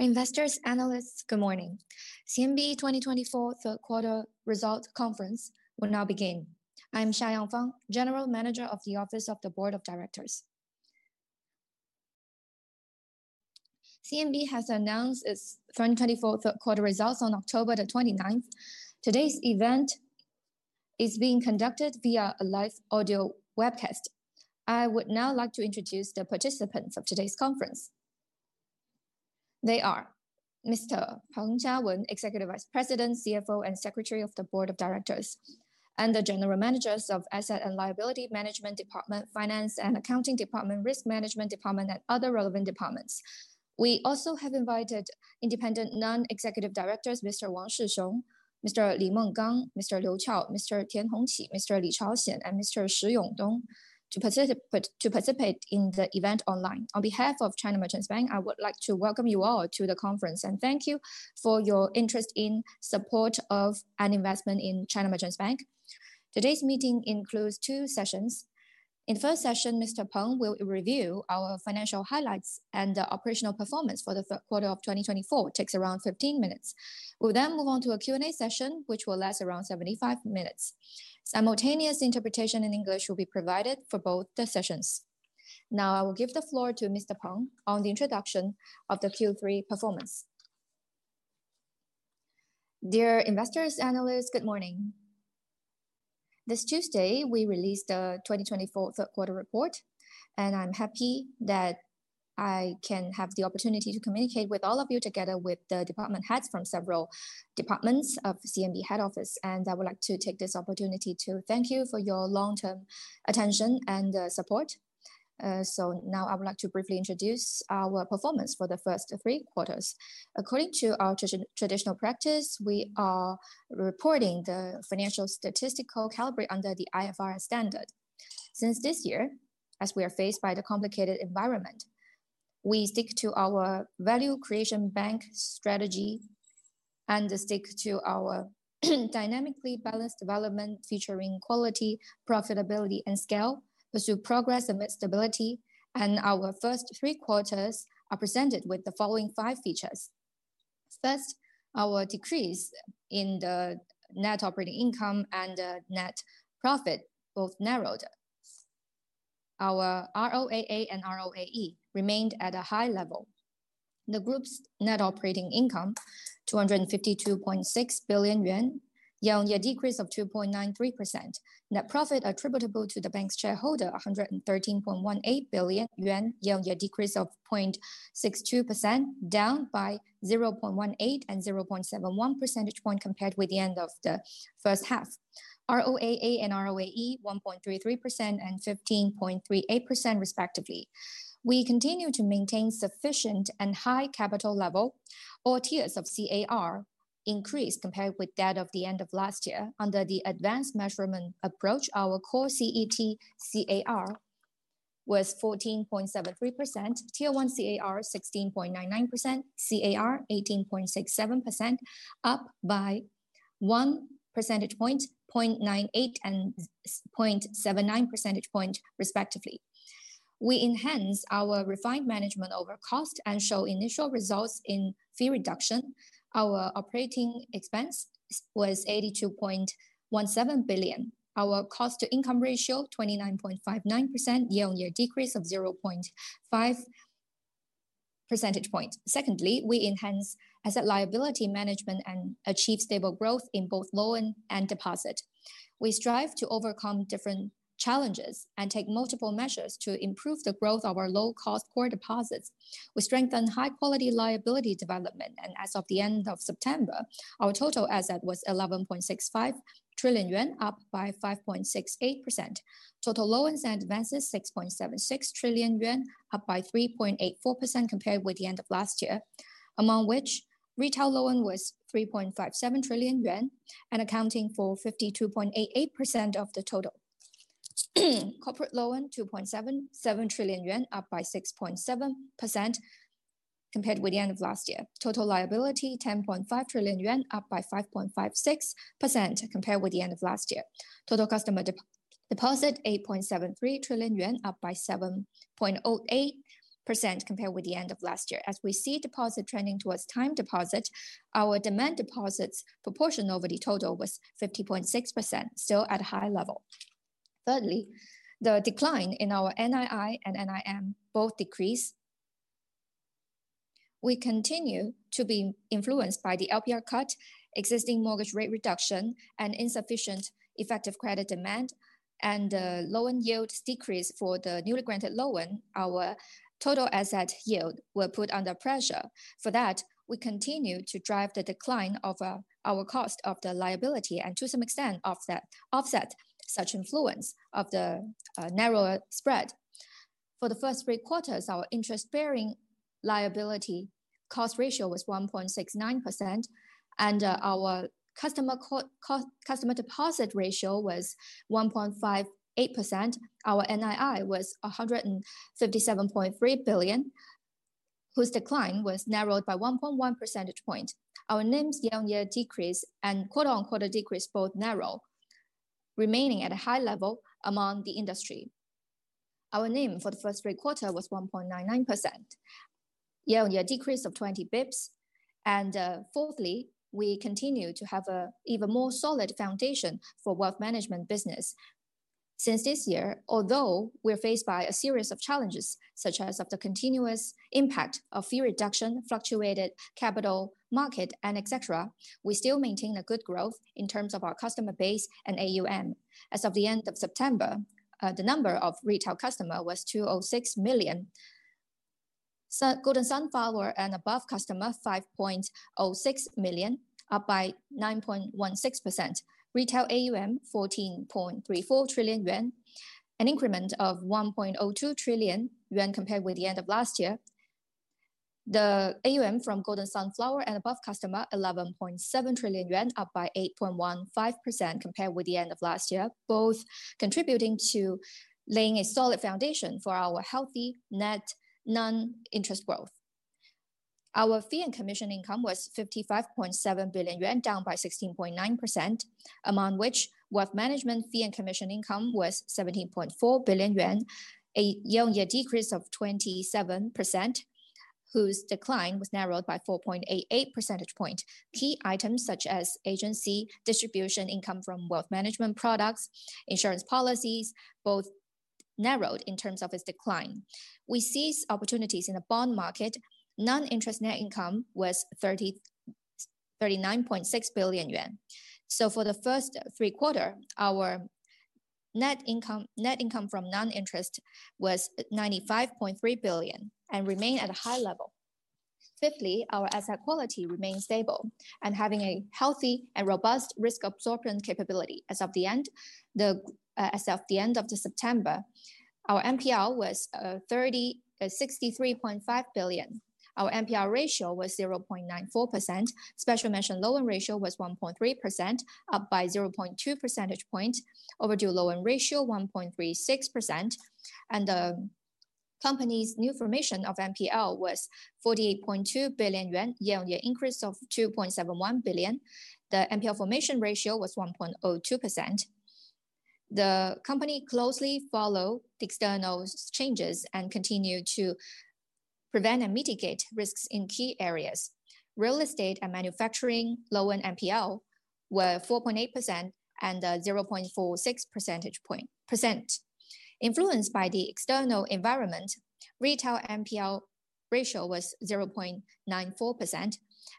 Investors, analysts, good morning. CMB 2024 Q3 Results Conference will now begin. I'm Xiao Yuanfang, General Manager of the Office of the Board of Directors. CMB has announced its 2024 Q3 results on October 29. Today's event is being conducted via a live audio webcast. I would now like to introduce the participants of today's conference. They are Mr. Peng Jiawen, Executive Vice President, CFO, and Secretary of the Board of Directors, and the General Managers of Asset and Liability Management Department, Finance and Accounting Department, Risk Management Department, and other relevant departments. We also have invited independent Non-Executive Directors, Mr. Wang Shixiong, Mr. Li Menggang, Mr. Liu Qiao, Mr. Tian Hongqi, Mr. Li Chaoxian, and Mr. Shi Yongdong, to participate in the event online on behalf of China Merchants Bank, I would like to welcome you all to the conference and thank you for your interest in support of and investment in China Merchants Bank. Today's meeting includes two sessions. In the first session, Mr. Peng will review our financial highlights and the operational performance for the Q3 of 2024 it takes around 15 minutes. We'll then move on to a Q&A session, which will last around 75 minutes. Simultaneous interpretation in English will be provided for both the sessions. Now, I will give the floor to Mr. Peng on the introduction of the Q3 performance. Dear investors, analysts, good morning. This Tuesday, we released the 2024 Q3 report, and I'm happy that I can have the opportunity to communicate with all of you together with the department heads from several departments of CMB head office i would like to take this opportunity to thank you for your long-term attention and support. Now, I would like to briefly introduce our performance for the first three quarters. According to our traditional practice, we are reporting the financial statistical calibration under the IFRS standard. Since this year, as we are faced by the complicated environment, we stick to our Value Creation Bank strategy and stick to our dynamically balanced development, featuring quality, profitability, and scale, pursue progress amid stability. Our first three quarters are presented with the following five features. First, our decrease in the net operating income and net profit both narrowed. Our ROAA and ROAE remained at a high level. The group's net operating income, 252.6 billion yuan, yielded a decrease of 2.93%. Net profit attributable to the bank's shareholder, 113.18 billion yuan, yielded a decrease of 0.62%, down by 0.18 and 0.71 percentage points compared with the end of the first half. ROAA and ROAE, 1.33% and 15.38%, respectively. We continue to maintain sufficient and high capital level. All tiers of CAR increased compared with that of the end of last year under the advanced measurement approach, our core CET1 CAR was 14.73%, Tier 1 CAR 16.99%, CAR 18.67%, up by 1 percentage point, 0.98 and 0.79 percentage points, respectively. We enhanced our refined management over cost and showed initial results in fee reduction. Our operating expense was 82.17 billion. Our cost-to-income ratio, 29.59%, yielded a decrease of 0.5 percentage points secondly, we enhanced asset liability management and achieved stable growth in both loan and deposit. We strive to overcome different challenges and take multiple measures to improve the growth of our low-cost core deposits. We strengthened high-quality liability development as of the end of September, our total asset was 11.65 trillion yuan, up by 5.68%. Total loans and advances, 6.76 trillion yuan, up by 3.84% compared with the end of last year, among which retail loan was 3.57 trillion yuan and accounting for 52.88% of the total. Corporate loan, 2.77 trillion yuan, up by 6.7% compared with the end of last year total liability, 10.5 trillion yuan, up by 5.56% compared with the end of last year. Total customer deposit, 8.73 trillion yuan, up by 7.08% compared with the end of last year as we see deposit trending towards time deposit, our demand deposits' proportion over the total was 50.6%, still at a high level. Thirdly, the decline in our NII and NIM both decreased. We continue to be influenced by the LPR cut, existing mortgage rate reduction, and insufficient effective credit demand, and the loan yield decrease for the newly granted loan our total asset yield was put under pressure. For that, we continue to drive the decline of our cost of the liability and, to some extent, offset such influence of the narrower spread. For the first three quarters, our interest-bearing liability cost ratio was 1.69%, and our customer deposit ratio was 1.58%. Our NII was 157.3 billion, whose decline was narrowed by 1.1 percentage points. Our NIM's yield decrease and "decrease" both narrowed, remaining at a high level among the industry. Our NIM for the first three quarters was 1.99%. Yield decreased of 20 basis points. And fourthly, we continue to have an even more solid foundation for wealth management business. Since this year, although we're faced by a series of challenges, such as the continuous impact of fee reduction, fluctuated capital market, and etc., we still maintain a good growth in terms of our customer base and AUM. As of the end of September, the number of retail customers was 206 million. Golden Sunflower and above customers, 5.06 million, up by 9.16%. Retail AUM, 14.34 trillion yuan, an increment of 1.02 trillion yuan compared with the end of last year. The AUM from Golden Sunflower and above customers, 11.7 trillion yuan, up by 8.15% compared with the end of last year, both contributing to laying a solid foundation for our healthy net non-interest growth. Our fee and commission income was 55.7 billion yuan, down by 16.9%, among which wealth management fee and commission income was 17.4 billion yuan, a yield decrease of 27%, whose decline was narrowed by 4.88 percentage points. Key items such as agency distribution income from wealth management products, insurance policies, both narrowed in terms of its decline. We seized opportunities in the bond market. Non-interest net income was 39.6 billion yuan. So for the first three quarters, our net income from non-interest was 95.3 billion and remained at a high level. Fifthly, our asset quality remained stable and having a healthy and robust risk absorption capability as of the end of September, our NPL was 63.5 billion. Our NPL ratio was 0.94%. Special mention loan ratio was 1.3%, up by 0.2 percentage points. Overdue loan ratio, 1.36%. The company's new formation of NPL was 48.2 billion yuan, yield increase of 2.71 billion. The NPL formation ratio was 1.02%. The company closely followed external changes and continued to prevent and mitigate risks in key areas. Real estate and manufacturing loan NPL were 4.8% and 0.46 percentage points. Influenced by the external environment, retail NPL ratio was 0.94%,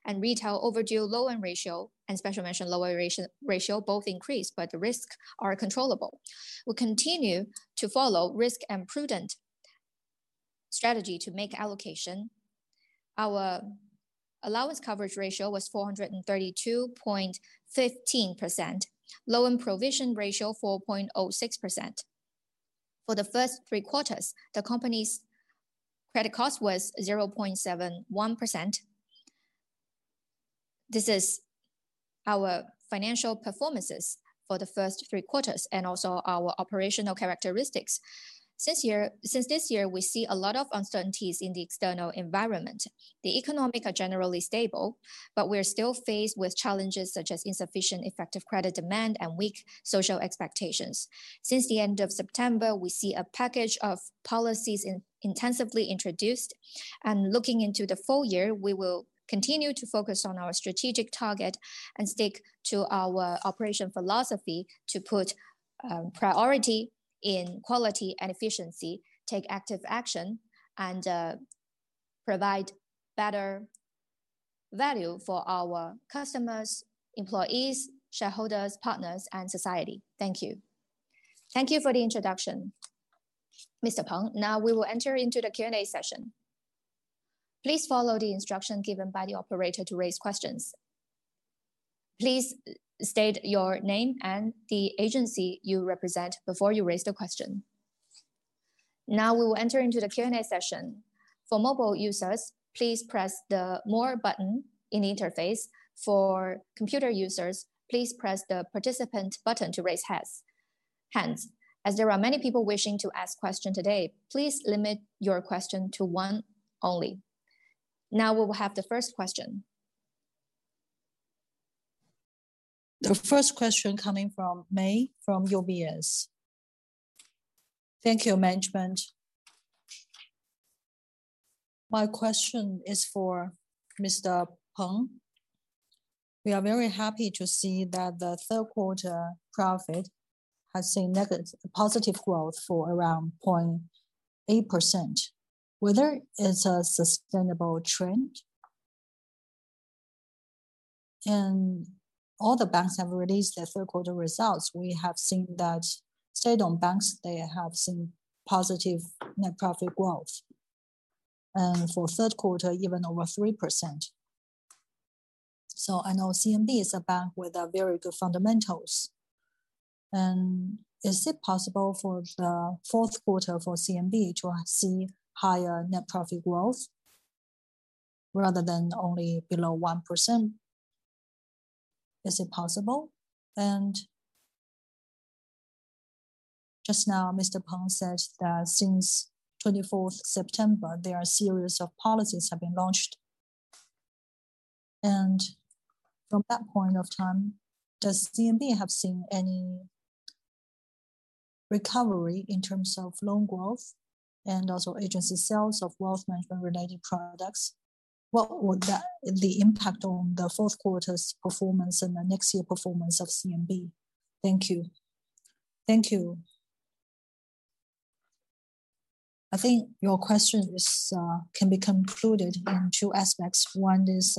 and retail overdue loan ratio and special mention loan ratio both increased, but the risks are controllable. We continue to follow risk and prudent strategy to make allocation. Our allowance coverage ratio was 432.15%. Loan provision ratio, 4.06%. For the first three quarters, the company's credit cost was 0.71%. This is our financial performances for the first three quarters and also our operational characteristics. Since this year, we see a lot of uncertainties in the external environment. The economics are generally stable, but we are still faced with challenges such as insufficient effective credit demand and weak social expectations. Since the end of September, we see a package of policies intensively introduced. And looking into the full year, we will continue to focus on our strategic target and stick to our operation philosophy to put priority in quality and efficiency, take active action, and provide better value for our customers, employees, shareholders, partners, and society. Thank you. Thank you for the introduction, Mr. Peng. Now, we will enter into the Q&A session. Please follow the instruction given by the operator to raise questions. Please state your name and the agency you represent before you raise the question. Now, we will enter into the Q&A session. For mobile users, please press the More button in the interface. For computer users, please press the Participant button to raise hands. Hence, as there are many people wishing to ask questions today, please limit your question to one only. Now, we will have the first question. The first question coming from May Yan from UBS. Thank you, management. My question is for Mr. Peng. We are very happy to see that the Q3 profit has seen positive growth for around 0.8%. Is it a sustainable trend? And all the banks have released their Q3 resultse have seen that state-owned banks, they have seen positive net profit growth. And for Q3, even over 3%. So I know CMB is a bank with very good fundamentals. And is it possible? for the Q4 for CMB to see higher net profit growth rather than only below 1%? Is it possible? And just now, Mr. Peng said that since 24 September, there are a series of policies that have been launched. From that point of time, does CMB have seen any recovery in terms of loan growth and also agency sales of wealth management-related products? What would be the impact on the Q4's performance and the next year's performance of CMB? Thank you. Thank you. I think your question can be concluded in two aspects. One is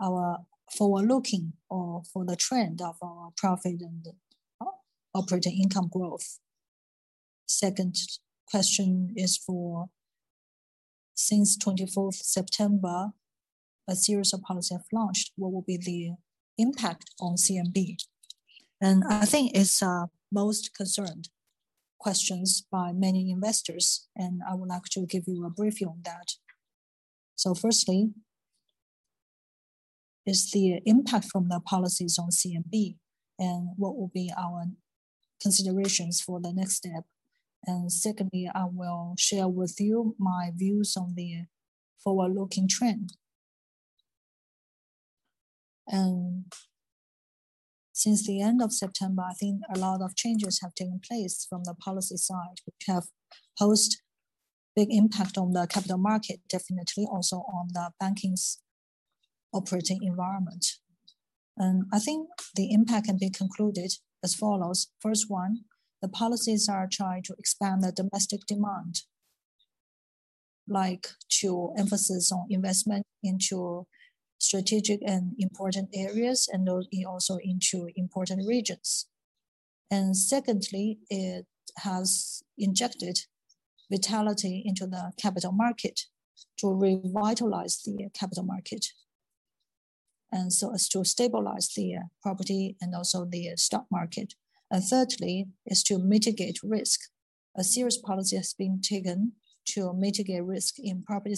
our forward-looking or for the trend of our profit and operating income growth. Second question is for since 24 September, a series of policies have launched what will be the impact on CMB? And I think it's most concerned questions by many investors, and I would like to give you a briefing on that. So firstly, is the impact from the policies on CMB, and what will be our considerations for the next step? And secondly, I will share with you my views on the forward-looking trend. Since the end of September, I think a lot of changes have taken place from the policy side it has posed a big impact on the capital market, definitely also on the banking's operating environment. I think the impact can be concluded as follows. First one, the policies are trying to expand the domestic demand. Like to emphasize on investment into strategic and important areas and also into important regions. Secondly, it has injected vitality into the capital market to revitalize the capital market and to stabilize the property and also the stock market. Thirdly, is to mitigate risk. A serious policy has been taken to mitigate risk in property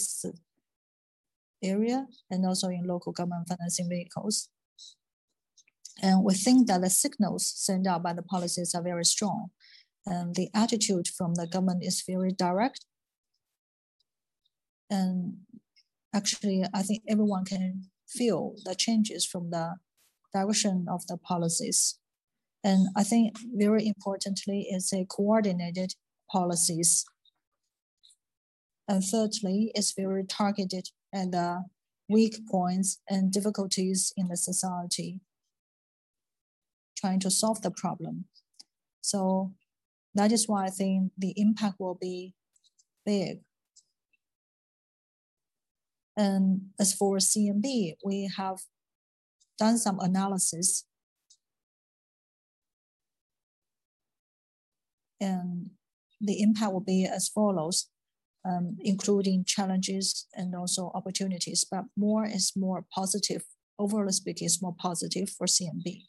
areas and also in local government financing vehicles. We think that the signals sent out by the policies are very strong. The attitude from the government is very direct. Actually, I think everyone can feel the changes from the direction of the policies. I think very importantly, it's a coordinated policies. Thirdly, it's very targeted at the weak points and difficulties in the society trying to solve the problem. That is why I think the impact will be big. As for CMB, we have done some analysis. The impact will be as follows, including challenges and also opportunities more is more positive. Overall speaking, it's more positive for CMB.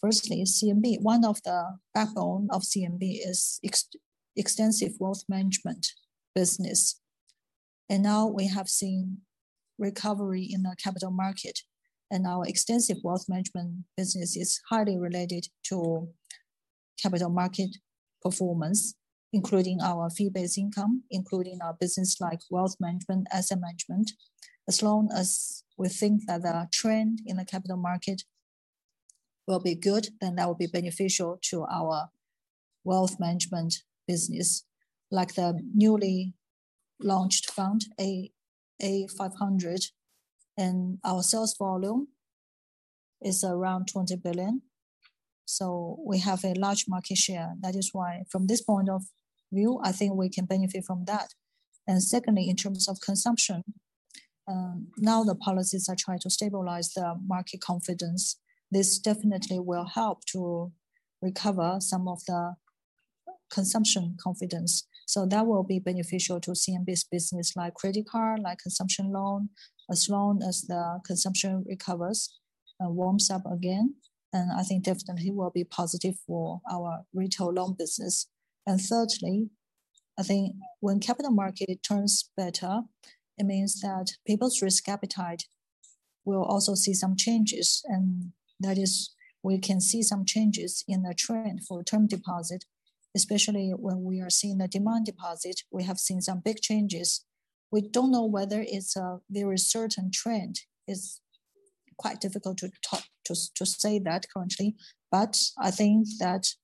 Firstly, CMB, one of the backbones of CMB is extensive wealth management business. Now we have seen recovery in the capital market. Our extensive wealth management business is highly related to capital market performance, including our fee-based income, including our business like wealth management, asset management as long as we think that the trend in the capital market will be good, then that will be beneficial to our wealth management business, like the newly launched fund, A500. And our sales volume is around 20 billion. So we have a large market share that is why, from this point of view, I think we can benefit from that. And secondly, in terms of consumption, now the policies are trying to stabilize the market confidence. This definitely will help to recover some of the consumption confidence. So that will be beneficial to CMB's business, like credit card, like consumption loan, as long as the consumption recovers and warms up again. And I think definitely will be positive for our retail loan business. And thirdly, I think when the capital market turns better, it means that people's risk appetite will also see some changes. That is, we can see some changes in the trend for term deposit, especially when we are seeing the demand deposit we have seen some big changes. We don't know whether it's a very certain trend. It's quite difficult to say that currently. But I think that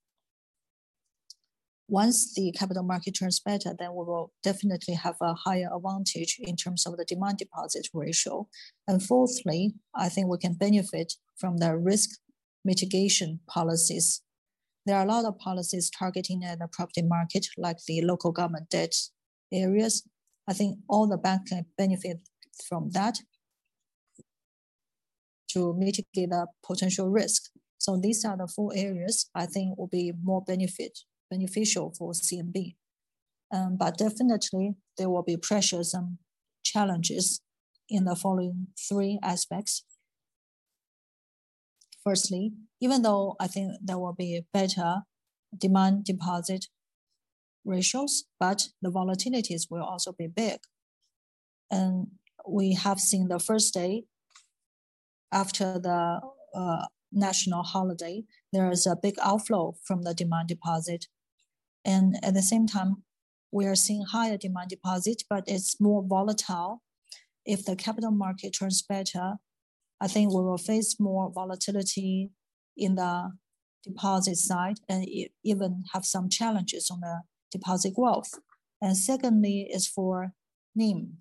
once the capital market turns better, then we will definitely have a higher advantage in terms of the demand deposit ratio. And fourthly, I think we can benefit from the risk mitigation policies. There are a lot of policies targeting the property market, like the local government debt areas. I think all the banks can benefit from that to mitigate the potential risk. So these are the four areas I think will be more beneficial for CMB. But definitely, there will be pressures and challenges in the following three aspects. Firstly, even though I think there will be better demand deposit ratios, the volatilities will also be big. And we have seen the first day after the national holiday, there is a big outflow from the demand deposit. And at the same time, we are seeing higher demand deposit, but it's more volatile. If the capital market turns better, I think we will face more volatility in the deposit side and even have some challenges on the deposit growth. And secondly, is for NIM.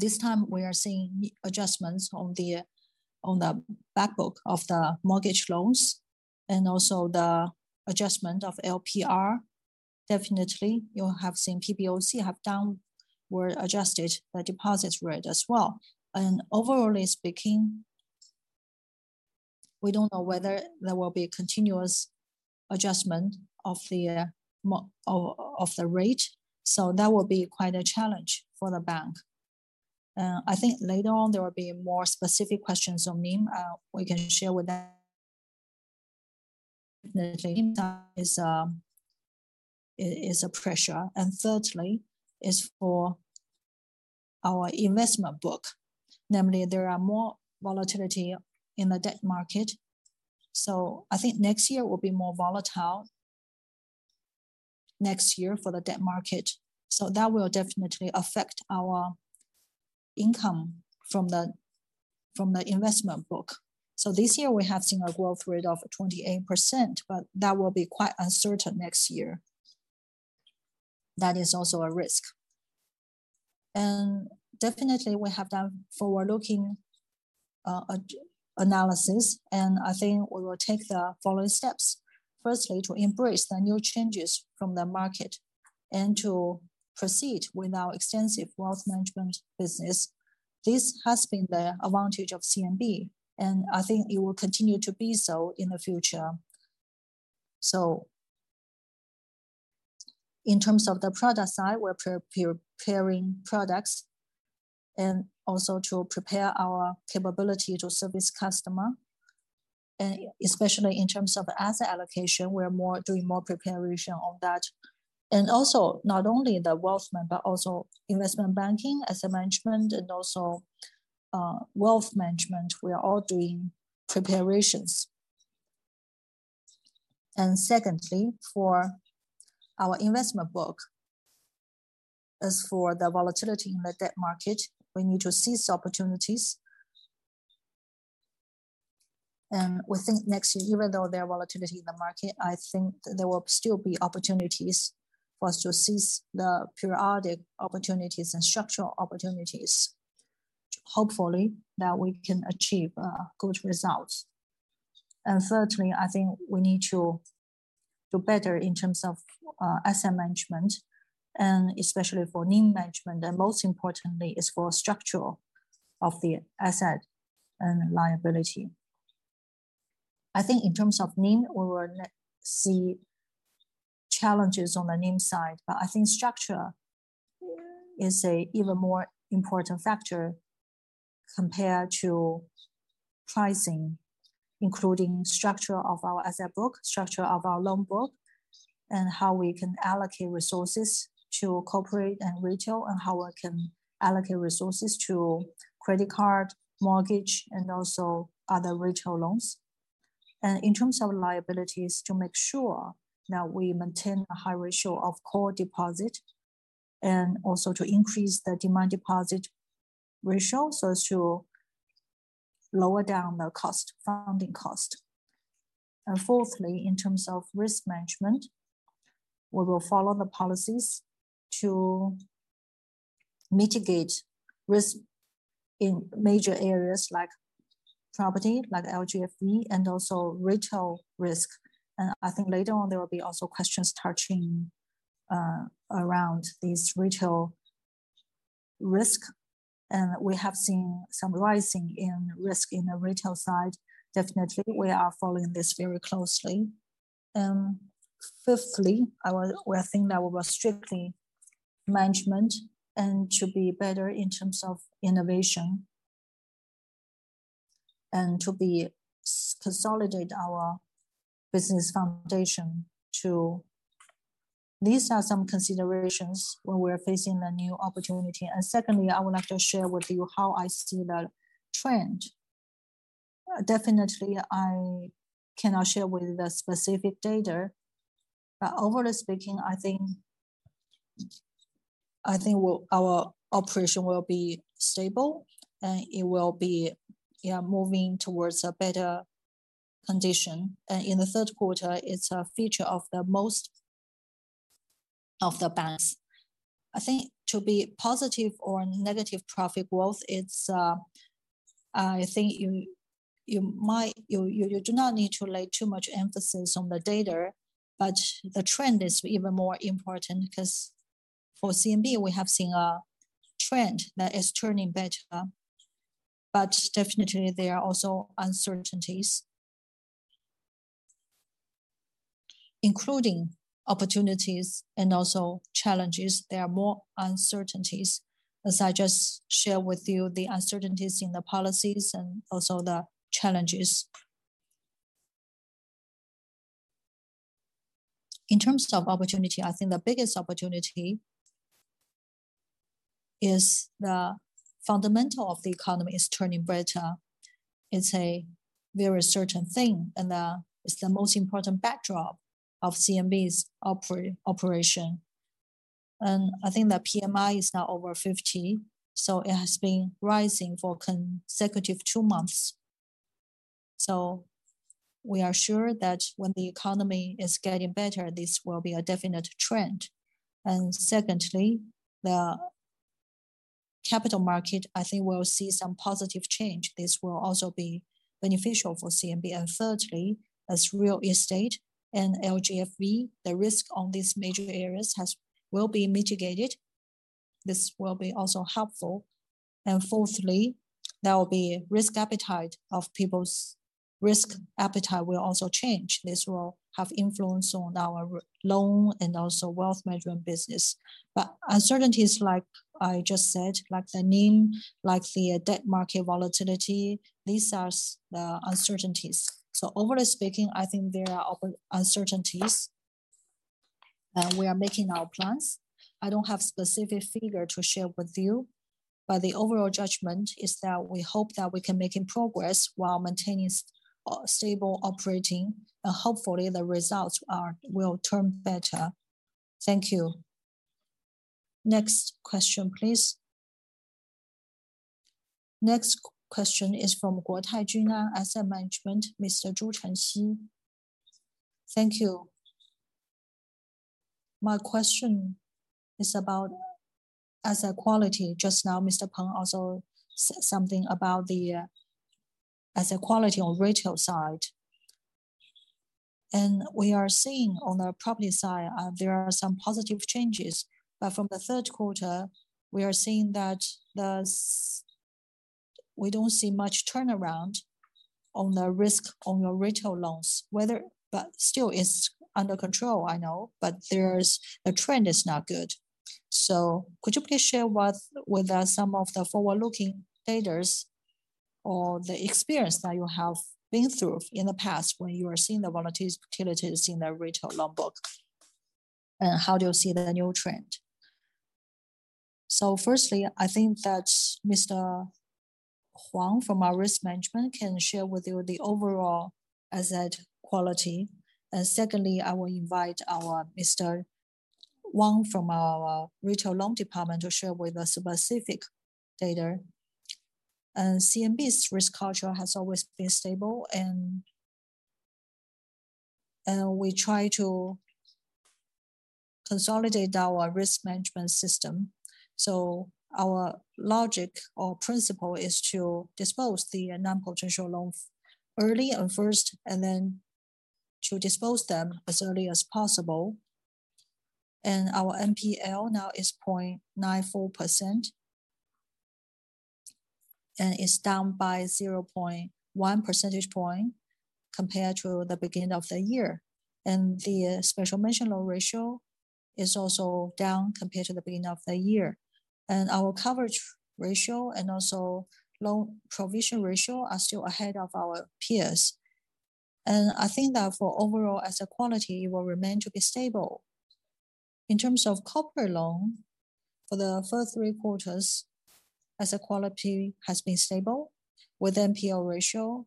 This time, we are seeing adjustments on the backbook of the mortgage loans and also the adjustment of LPR. Definitely, you have seen PBOC have downward adjusted the deposit rate as well. And overall speaking, we don't know whether there will be a continuous adjustment of the rate. So that will be quite a challenge for the bank. I think later on, there will be more specific questions on NIM we can share with that. Definitely, NIM is a pressure. Thirdly, is for our investment book. Namely, there are more volatility in the debt market. So I think next year will be more volatile for the debt market. So that will definitely affect our income from the investment book. So this year, we have seen a growth rate of 28%, but that will be quite uncertain next year. That is also a risk. And definitely, we have done forward-looking analysis and I think we will take the following steps. Firstly, to embrace the new changes from the market and to proceed with our extensive wealth management business. This has been the advantage of CMB, and I think it will continue to be so in the future. So in terms of the product side, we're preparing products and also to prepare our capability to service customers. And especially in terms of asset allocation, we're doing more preparation on that. And also not only the wealth management, but also investment banking, asset management, and also wealth management we are all doing preparations. And secondly, for our investment book, as for the volatility in the debt market, we need to seize opportunities. And we think next year, even though there are volatilities in the market, I think there will still be opportunities for us to seize the periodic opportunities and structural opportunities. Hopefully, that we can achieve good results. And thirdly, I think we need to do better in terms of asset management, and especially for NIM management. And most importantly, is for structure of the asset and liability. I think in terms of NIM, we will see challenges on the NIM side, but I think structure is an even more important factor compared to pricing, including structure of our asset book, structure of our loan book, and how we can allocate resources to corporate and retail, and how we can allocate resources to credit card, mortgage, and also other retail loans. In terms of liabilities, to make sure that we maintain a high ratio of core deposit and also to increase the demand deposit ratio so as to lower down the cost, funding cost. Fourthly, in terms of risk management, we will follow the policies to mitigate risk in major areas like property, like LGFV, and also retail risk. I think later on, there will be also questions touching around these retail risks. We have seen some rising in risk in the retail side. Definitely, we are following this very closely, and fifthly, I think that we will strictly manage and to be better in terms of innovation and to consolidate our business foundation. These are some considerations when we are facing the new opportunity, and secondly, I would like to share with you how I see the trend. Definitely, I cannot share with the specific data, but overall speaking, I think our operation will be stable? and it will be moving towards a better condition. And in the Q3, it's a feature of most of the banks. I think to be positive or negative profit growth. I think you do not need to lay too much emphasis on the data, but the trend is even more important because for CMB, we have seen a trend that is turning better, but definitely, there are also uncertainties, including opportunities and also challenges there are more uncertainties. As I just shared with you, the uncertainties in the policies and also the challenges. In terms of opportunity, I think the biggest opportunity is the fundamental of the economy is turning better. It's a very certain thing, and it's the most important backdrop of CMB's operation. And I think the PMI is now over 50. So it has been rising for a consecutive two months. So we are sure that when the economy is getting better, this will be a definite trend. And secondly, the capital market, I think we'll see some positive change this will also be beneficial for CMB. And thirdly, as real estate and LGFV, the risk on these major areas will be mitigated. This will be also helpful. And fourthly, people's risk appetite will also change this will have influence on our loan and also wealth management business, but uncertainties, like I just said, like the NIM, like the debt market volatility, these are the uncertainties, so overall speaking, I think there are uncertainties. And we are making our plans. I don't have a specific figure to share with you, but the overall judgment is that we hope that we can make progress while maintaining stable operating, and hopefully, the results will turn better. Thank you. Next question, please. Next question is from Guotai Junan, Asset Management, Mr. Zhou Chengxi. Thank you. My question is about asset quality just now, Mr. Peng also said something about the asset quality on the retail side, and we are seeing on the property side, there are some positive changes. But from the Q3, we are seeing that we don't see much turnaround on the risk on your retail loans. But still, it's under control, I know but the trend is not good. So could you please share with us some of the forward-looking data? or the experience that you have been through in the past when you are seeing the volatilities in the retail loan book? And how do you see the new trend? So firstly, I think that Mr. Huang from our risk management can share with you the overall asset quality. And secondly, I will invite Mr. Wang from our retail loan department to share with us specific data. And CMB's risk culture has always been stable. And we try to consolidate our risk management system. Our logic or principle is to dispose of the non-performing loans early and first, and then to dispose of them as early as possible. Our NPL now is 0.94%. It's down by 0.1 percentage point compared to the beginning of the year. The special mention loan ratio is also down compared to the beginning of the year. Our coverage ratio and also loan provision ratio are still ahead of our peers. I think that for overall asset quality, it will remain to be stable. In terms of corporate loan, for the first three quarters, asset quality has been stable with NPL ratio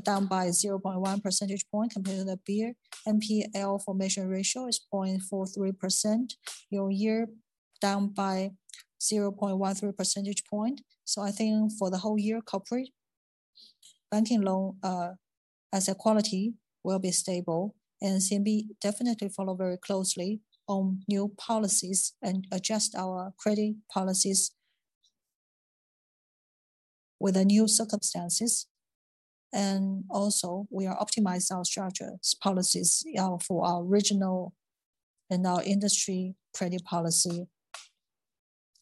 1.05%, down by 0.1 percentage point compared to the peer. NPL formation ratio is 0.43% year on year, down by 0.13 percentage point. I think for the whole year, corporate banking loan asset quality will be stable. And CMB definitely follows very closely on new policies and adjusts our credit policies with the new circumstances. And also, we are optimizing our structural policies for our regional and our industry credit policy.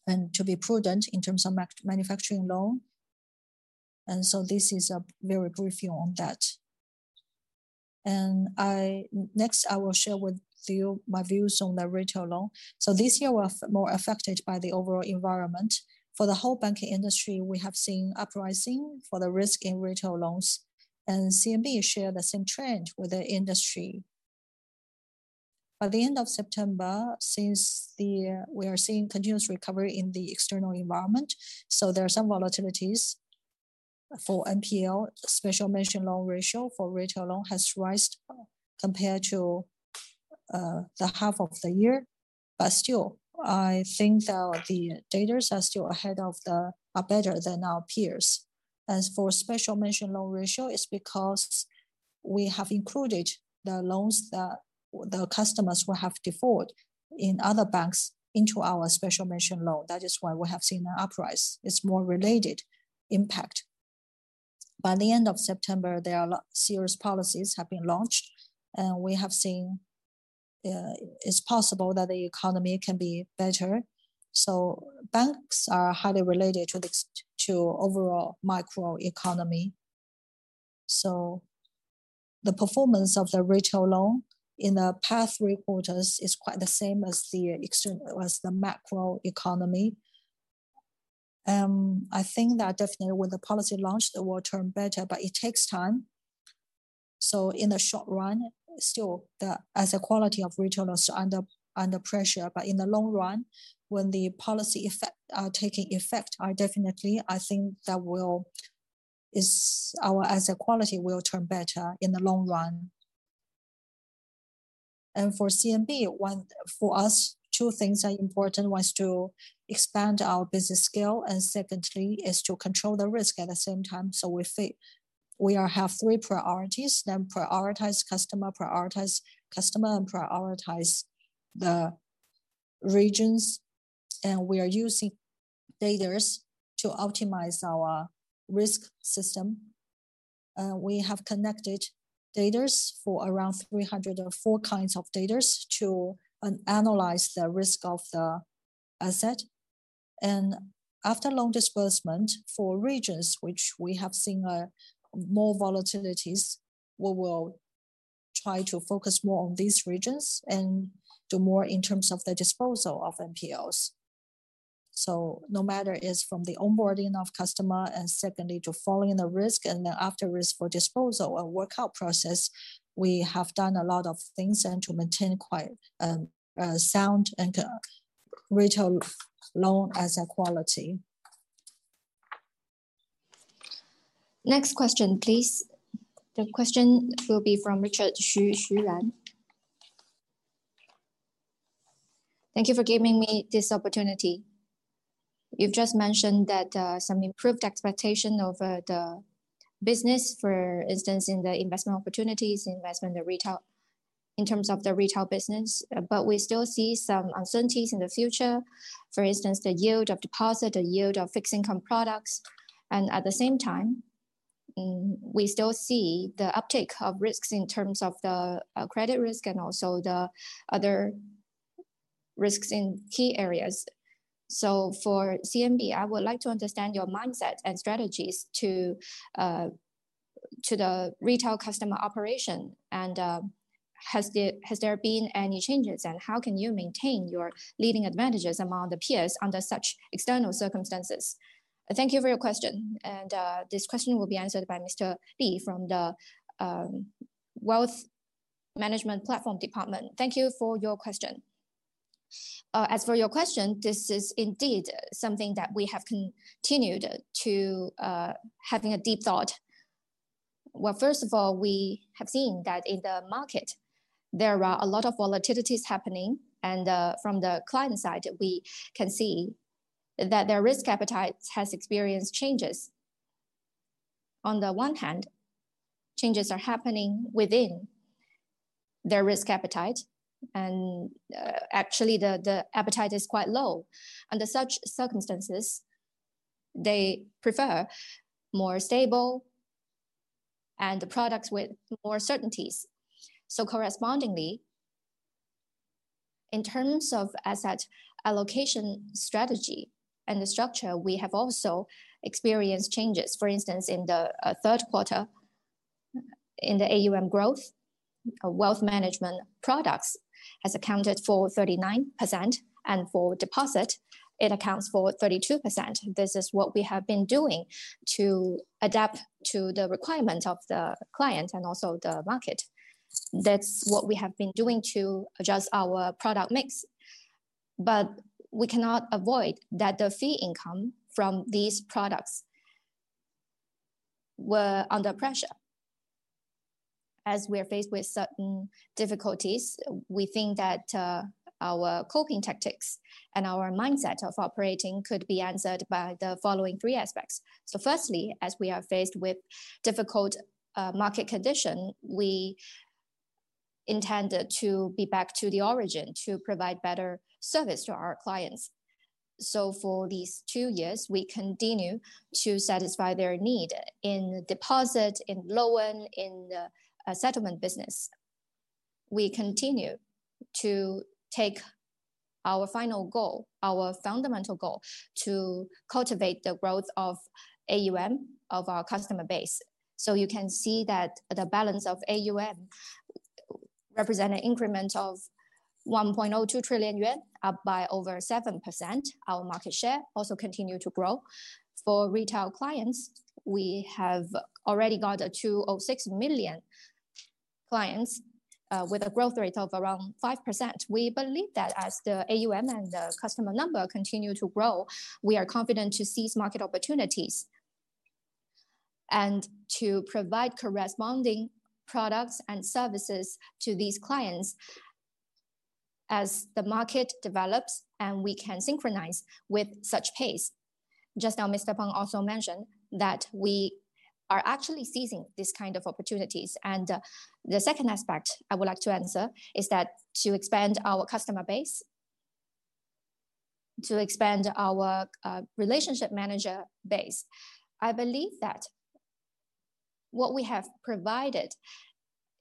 And to be prudent in terms of manufacturing loan. And so this is a very brief view on that. And next, I will share with you my views on the retail loan. So this year we are more affected by the overall environment. For the whole banking industry, we have seen uprising for the risk in retail loans. And CMB shares the same trend with the industry. By the end of September, since we are seeing continuous recovery in the external environment, so there are some volatilities for NPL special mention loan ratio for retail loan has risen compared to the half of the year. But still, I think that the data are still ahead of, better than our peers. As for special mention loan ratio, it's because we have included the loans that the customers will default in other banks into our special mention loan that is why we have seen an uprise. It's more of a related impact. By the end of September, there is a series of policies that have been launched. And we have seen it's possible that the economy can be better. So banks are highly related to the overall macroeconomy. So the performance of the retail loan in the past three quarters is quite the same as the macroeconomy. And I think that definitely with the policy launch, it will turn better but it takes time. So in the short run, still, the asset quality of retail is under pressure but in the long run, when the policy takes effect, definitely, I think that our asset quality will turn better in the long run. And for CMB, for us, two things are important one is to expand our business scale and secondly, is to control the risk at the same time so we have three priorities then prioritize customer, prioritize customer, and prioritize the regions. And we are using data to optimize our risk system. And we have connected data for around 304 kinds of data to analyze the risk of the asset. And after loan disbursement for regions, which we have seen more volatilities, we will try to focus more on these regions and do more in terms of the disposal of NPLs. So no matter it's from the onboarding of customer and secondly to following the risk and then after risk for disposal and workout process, we have done a lot of things to maintain quite sound and retail loan asset quality. Next question, please. The question will be from Richard Xu Lan. Thank you for giving me this opportunity. You've just mentioned that some improved expectation of the business, for instance, in the investment opportunities, investment in retail in terms of the retail business. But we still see some uncertainties in the future. For instance, the yield of deposit, the yield of fixed income products. And at the same time, we still see the uptake of risks in terms of the credit risk and also the other risks in key areas. So for CMB, I would like to understand? your mindset and strategies to the retail customer operation. Has there been any changes? How can you maintain your leading advantages among the peers under such external circumstances? Thank you for your question. This question will be answered by Mr. Li from the Wealth Management Platform Department. Thank you for your question. As for your question, this is indeed something that we have continued to have a deep thought. Well, first of all, we have seen that in the market, there are a lot of volatilities happening. From the client side, we can see that their risk appetite has experienced changes. On the one hand, changes are happening within their risk appetite. Actually, the appetite is quite low. Under such circumstances, they prefer more stable and products with more certainties. So correspondingly, in terms of asset allocation strategy and the structure, we have also experienced changes for instance, in the Q3, in the AUM growth, wealth management products has accounted for 39%, and for deposit, it accounts for 32% this is what we have been doing to adapt to the requirement of the client and also the market. That's what we have been doing to adjust our product mix, but we cannot avoid that the fee income from these products were under pressure. As we are faced with certain difficulties, we think that our coping tactics and our mindset of operating could be answered by the following three aspects, so firstly, as we are faced with difficult market conditions, we intended to be back to the origin to provide better service to our clients, so for these two years, we continue to satisfy their need in deposit, in loan, in the settlement business. We continue to take our final goal, our fundamental goal, to cultivate the growth of AUM of our customer base. So you can see that the balance of AUM represents an increment of 1.02 trillion yuan up by over 7%. Our market share also continues to grow. For retail clients, we have already got 2.06 million clients with a growth rate of around 5% we believe that as the AUM and the customer number continue to grow, we are confident to seize market opportunities and to provide corresponding products and services to these clients as the market develops, and we can synchronize with such pace. Just now, Mr. Peng also mentioned that we are actually seizing these kinds of opportunities. The second aspect I would like to answer is that to expand our customer base, to expand our relationship manager base, I believe that what we have provided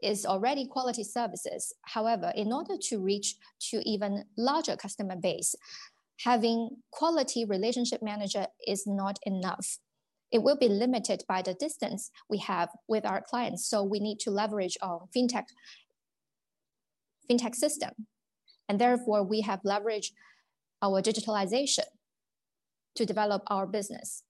is already quality services however, in order to reach even a larger customer base, having quality relationship managers is not enough. It will be limited by the distance we have with our clients we need to leverage our fintech system. Therefore, we have leveraged our digitalization to develop our business.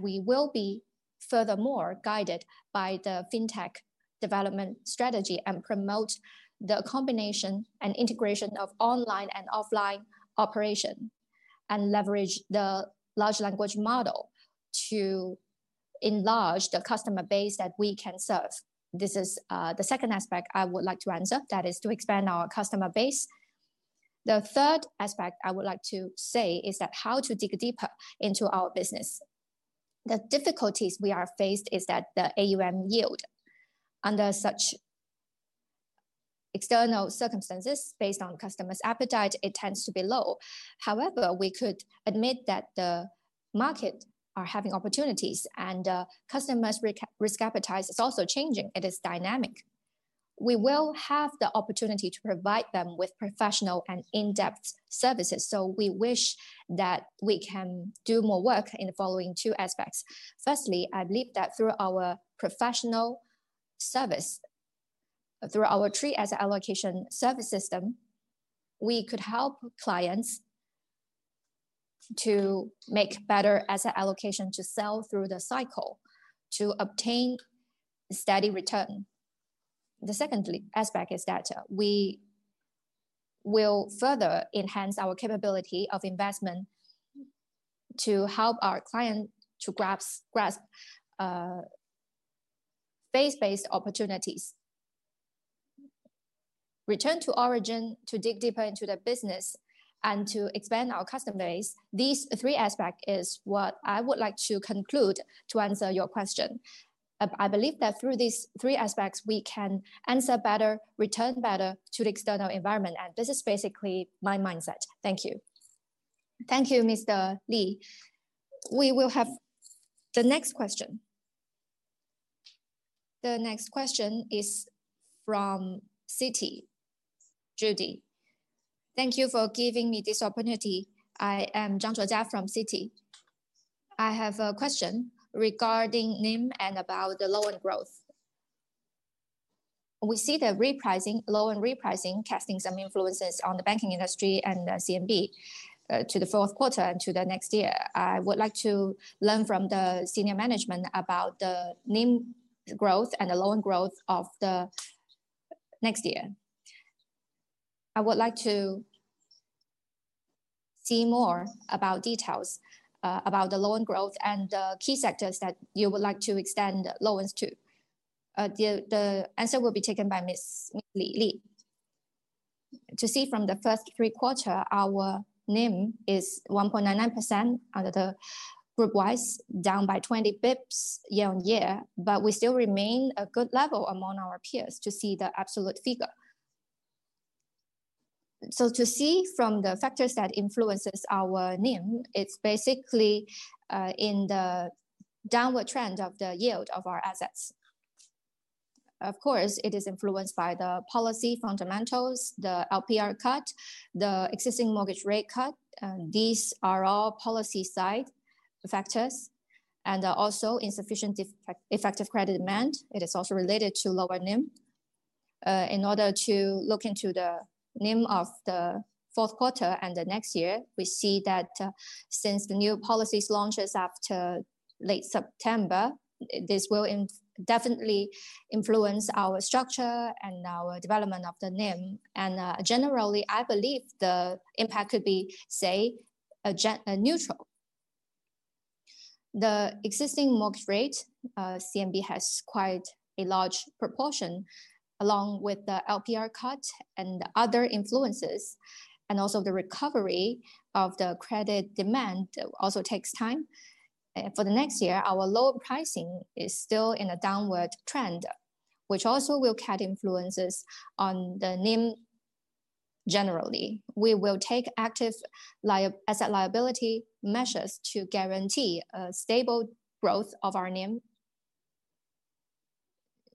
We will be furthermore guided by the fintech development strategy and promote the combination and integration of online and offline operation and leverage the large language model to enlarge the customer base that we can serve. This is the second aspect I would like to answer, that is to expand our customer base. The third aspect I would like to say is how to dig deeper into our business. The difficulties we are faced with is that the AUM yield under such external circumstances, based on customers' appetite, tends to be low. However, we could admit that the market is having opportunities, and customers' risk appetite is also changing it is dynamic. We will have the opportunity to provide them with professional and in-depth services, so we wish that we can do more work in the following two aspects. Firstly, I believe that through our professional service, through our three asset allocation service system, we could help clients to make better asset allocation to sail through the cycle to obtain steady return. The second aspect is that we will further enhance our capability of investment to help our clients to grasp phase-based opportunities, return to origin, to dig deeper into the business, and to expand our customer base. These three aspects are what I would like to conclude to answer your question. I believe that through these three aspects, we can answer better, return better to the external environment this is basically my mindset. Thank you. Thank you, Mr. Li. We will have the next question. The next question is from Citi, Judy. Thank you for giving me this opportunity. I am Judy Zhang from Citi. I have a question regarding NIM and about the loan growth. We see the repricing, loan repricing casting some influences on the banking industry and CMB to the Q4 and to the next year. I would like to learn from the senior management about the NIM growth and the loan growth of the next year. I would like to see more details about the loan growth and the key sectors that you would like to extend loans to. The answer will be taken by Ms. Li. To see from the first three quarters, our NIM is 1.99% under the group wise, down by 20 basis points year on year, but we still remain at a good level among our peers to see the absolute figure. To see from the factors that influence our NIM, it's basically in the downward trend of the yield of our assets. Of course, it is influenced by the policy fundamentals, the LPR cut, the existing mortgage rate cut these are all policy-side factors, and also, insufficient effective credit demand. It is also related to lower NIM. In order to look into the NIM of the Q4 and the next year, we see that since the new policies launched after late September, this will definitely influence our structure and our development of the NIM, and generally, I believe the impact could be, say, neutral. The existing mortgage rate, CMB has quite a large proportion along with the LPR cut and other influences, and also, the recovery of the credit demand also takes time. For the next year, our low pricing is still in a downward trend, which also will catch influences on the NIM generally. We will take active asset liability measures to guarantee a stable growth of our NIM,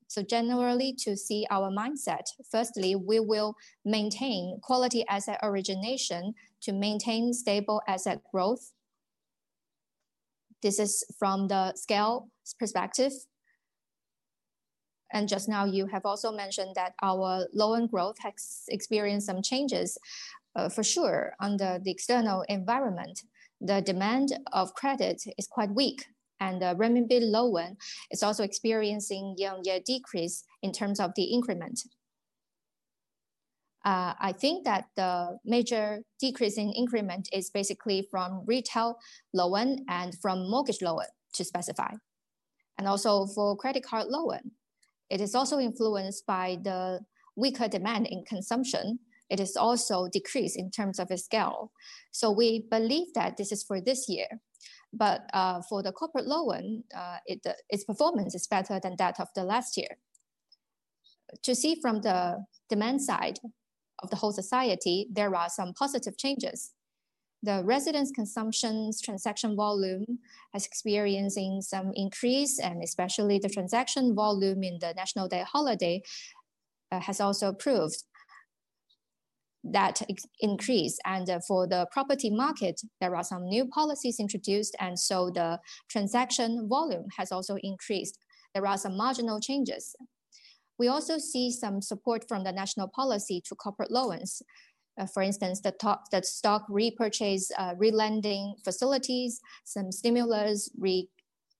so generally, to see our mindset, firstly, we will maintain quality asset origination to maintain stable asset growth. This is from the scale perspective. Just now, you have also mentioned that our loan growth has experienced some changes. For sure, under the external environment, the demand of credit is quite weak. The renminbi loan is also experiencing year-on-year decrease in terms of the increment. I think that the major decrease in increment is basically from retail loan and from mortgage loan to specify. Also, for credit card loan, it is also influenced by the weaker demand in consumption. It is also decreased in terms of its scale. We believe that this is for this year. For the corporate loan, its performance is better than that of the last year. To see from the demand side of the whole society, there are some positive changes. The residents' consumption transaction volume has experienced some increase especially, the transaction volume in the National Day holiday has also proved that increase for the property market, there are some new policies introduced. So the transaction volume has also increased. There are some marginal changes. We also see some support from the national policy to corporate loans. For instance, the stock repurchase, relending facilities, some stimulus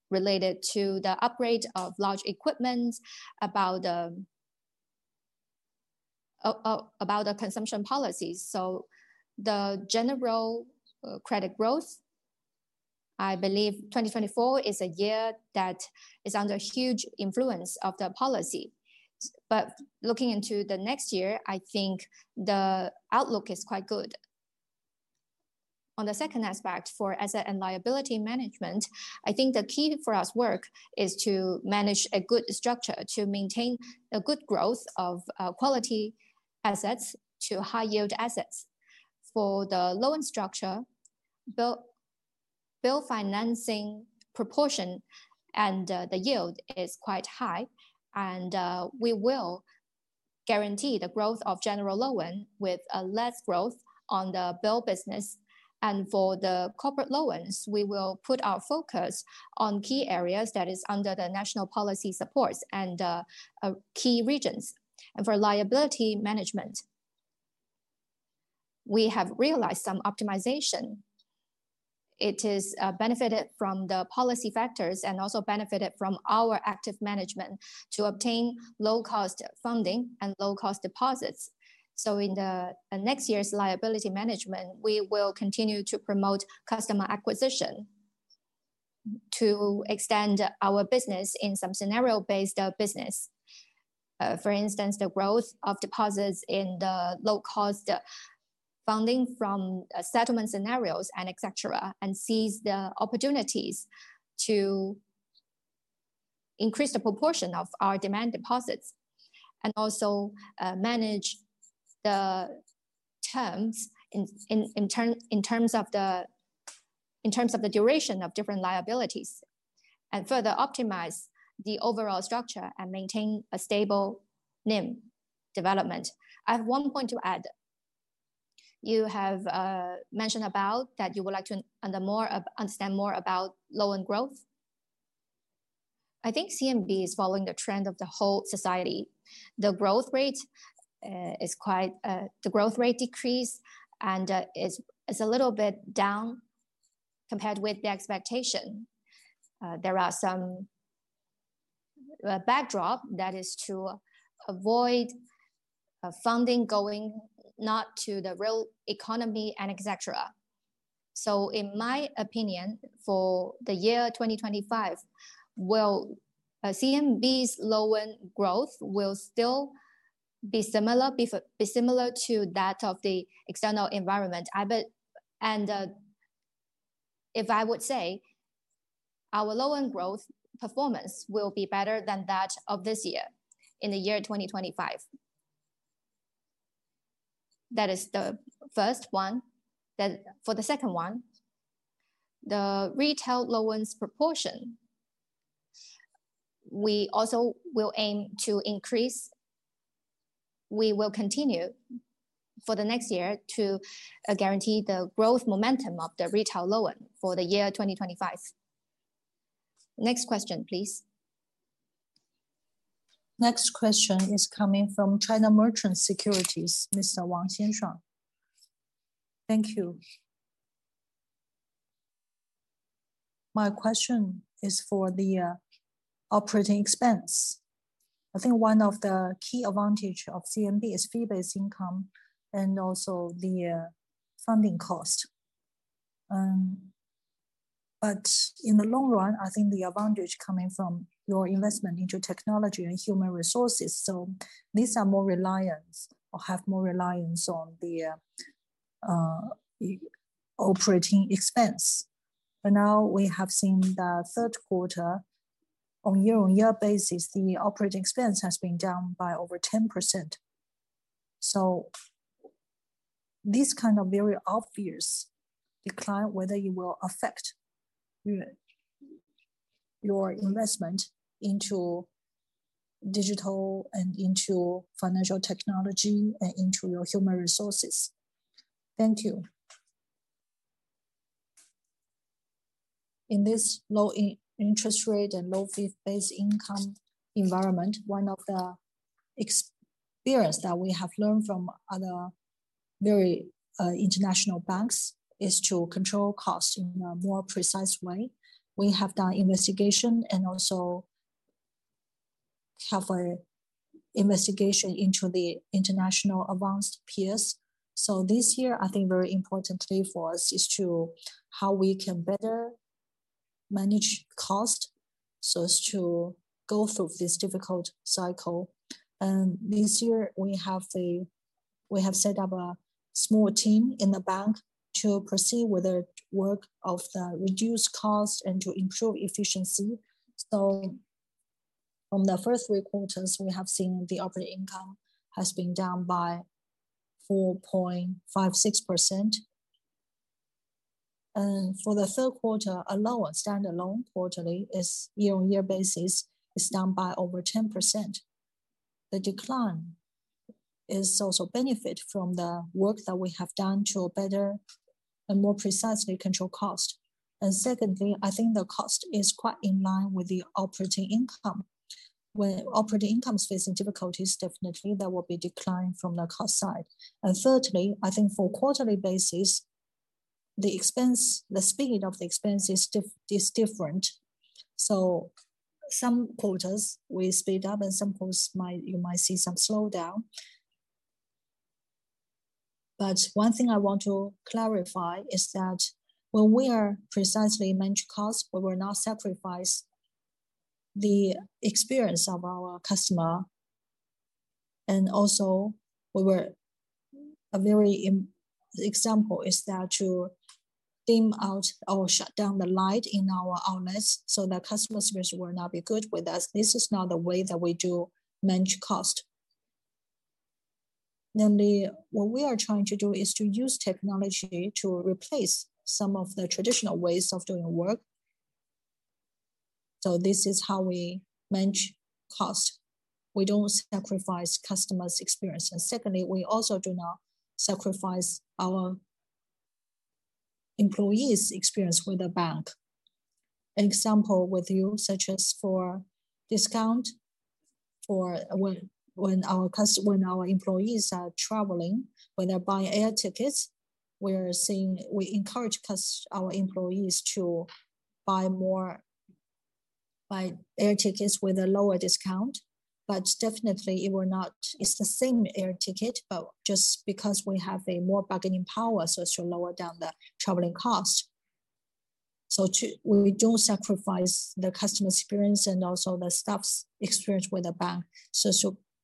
related to the upgrade of large equipment, about the consumption policies. The general credit growth, I believe 2024 is a year that is under huge influence of the policy. Looking into the next year, I think the outlook is quite good. On the second aspect for asset and liability management, I think the key for our work is to manage a good structure to maintain a good growth of quality assets to high-yield assets. For the loan structure, bill financing proportion and the yield is quite high. We will guarantee the growth of general loan with less growth on the bill business. For the corporate loans, we will put our focus on key areas that are under the national policy supports and key regions for liability management. We have realized some optimization. It is benefited from the policy factors and also benefited from our active management to obtain low-cost funding and low-cost deposits. In the next year's liability management, we will continue to promote customer acquisition to extend our business in some scenario-based business. For instance, the growth of deposits in the low-cost funding from settlement scenarios, etc., and seize the opportunities to increase the proportion of our demand deposits. Also manage the terms in terms of the duration of different liabilities and further optimize the overall structure and maintain a stable NIM development i have one point to add. You have mentioned that you would like to understand more about loan growth. I think CMB is following the trend of the whole society. The growth rate decreased. It's a little bit down compared with the expectation. There are some backdrops that is to avoid funding going not to the real economy, etc. So in my opinion, for the year 2025, CMB's loan growth will still be similar to that of the external environment. If I would say, our loan growth performance will be better than that of this year in the year 2025. That is the first one. For the second one, the retail loans proportion, we also will aim to increase. We will continue for the next year to guarantee the growth momentum of the retail loan for the year 2025. Next question, please. Next question is coming from China Merchants Securities, Mr. Wang Zhijian. Thank you. My question is for the operating expense. I think one of the key advantages of CMB is fee-based income and also the funding cost. But in the long run, I think the advantage coming from your investment into technology and human resources. So these are more reliance or have more reliance on the operating expense. But now we have seen the Q3, on year-on-year basis, the operating expense has been down by over 10%. So this kind of very obvious decline, whether it will affect your investment into digital and into financial technology and into your human resources? Thank you. In this low interest rate and low fee-based income environment, one of the experiences that we have learned from other very international banks is to control costs in a more precise way. We have done investigation and also have an investigation into the international advanced peers. This year, I think very importantly for us is how we can better manage costs to go through this difficult cycle. And this year, we have set up a small team in the bank to proceed with the work of the reduced costs and to improve efficiency. So from the first three quarters, we have seen the operating income has been down by 4.56%. And for the Q3, standalone quarterly is year-on-year basis is down by over 10%. The decline is also a benefit from the work that we have done to better and more precisely control costs. And secondly, I think the cost is quite in line with the operating income. When operating income faces difficulties, definitely there will be a decline from the cost side. And thirdly, I think for quarterly basis, the speed of the expense is different. So some quarters, we speed up, and some quarters, you might see some slowdown. But one thing I want to clarify is that when we are precisely managing costs, we will not sacrifice the experience of our customer. And also, a very example is that to dim out or shut down the light in our outlets so that customer service will not be good with us this is not the way that we do manage costs. Namely, what we are trying to do is to use technology to replace some of the traditional ways of doing work. So this is how we manage costs. We don't sacrifice customers' experience and secondly, we also do not sacrifice our employees' experience with the bank. An example with you, such as for discount for when our employees are traveling, when they're buying air tickets, we encourage our employees to buy more air tickets with a lower discount. But definitely, it will not be the same air ticket, but just because we have a more bargaining power, so it should lower down the traveling costs. So we don't sacrifice the customer experience and also the staff's experience with the bank. So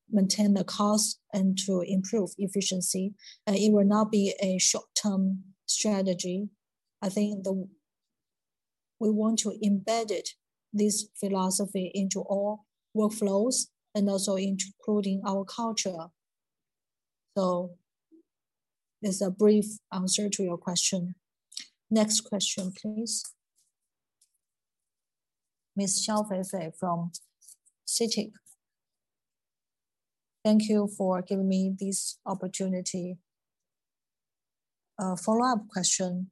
to maintain the cost and to improve efficiency, it will not be a short-term strategy. I think we want to embed this philosophy into all workflows and also including our culture. So it's a brief answer to your question. Next question, please. Ms. Xiao Feifei from CITIC. Thank you for giving me this opportunity. Follow-up question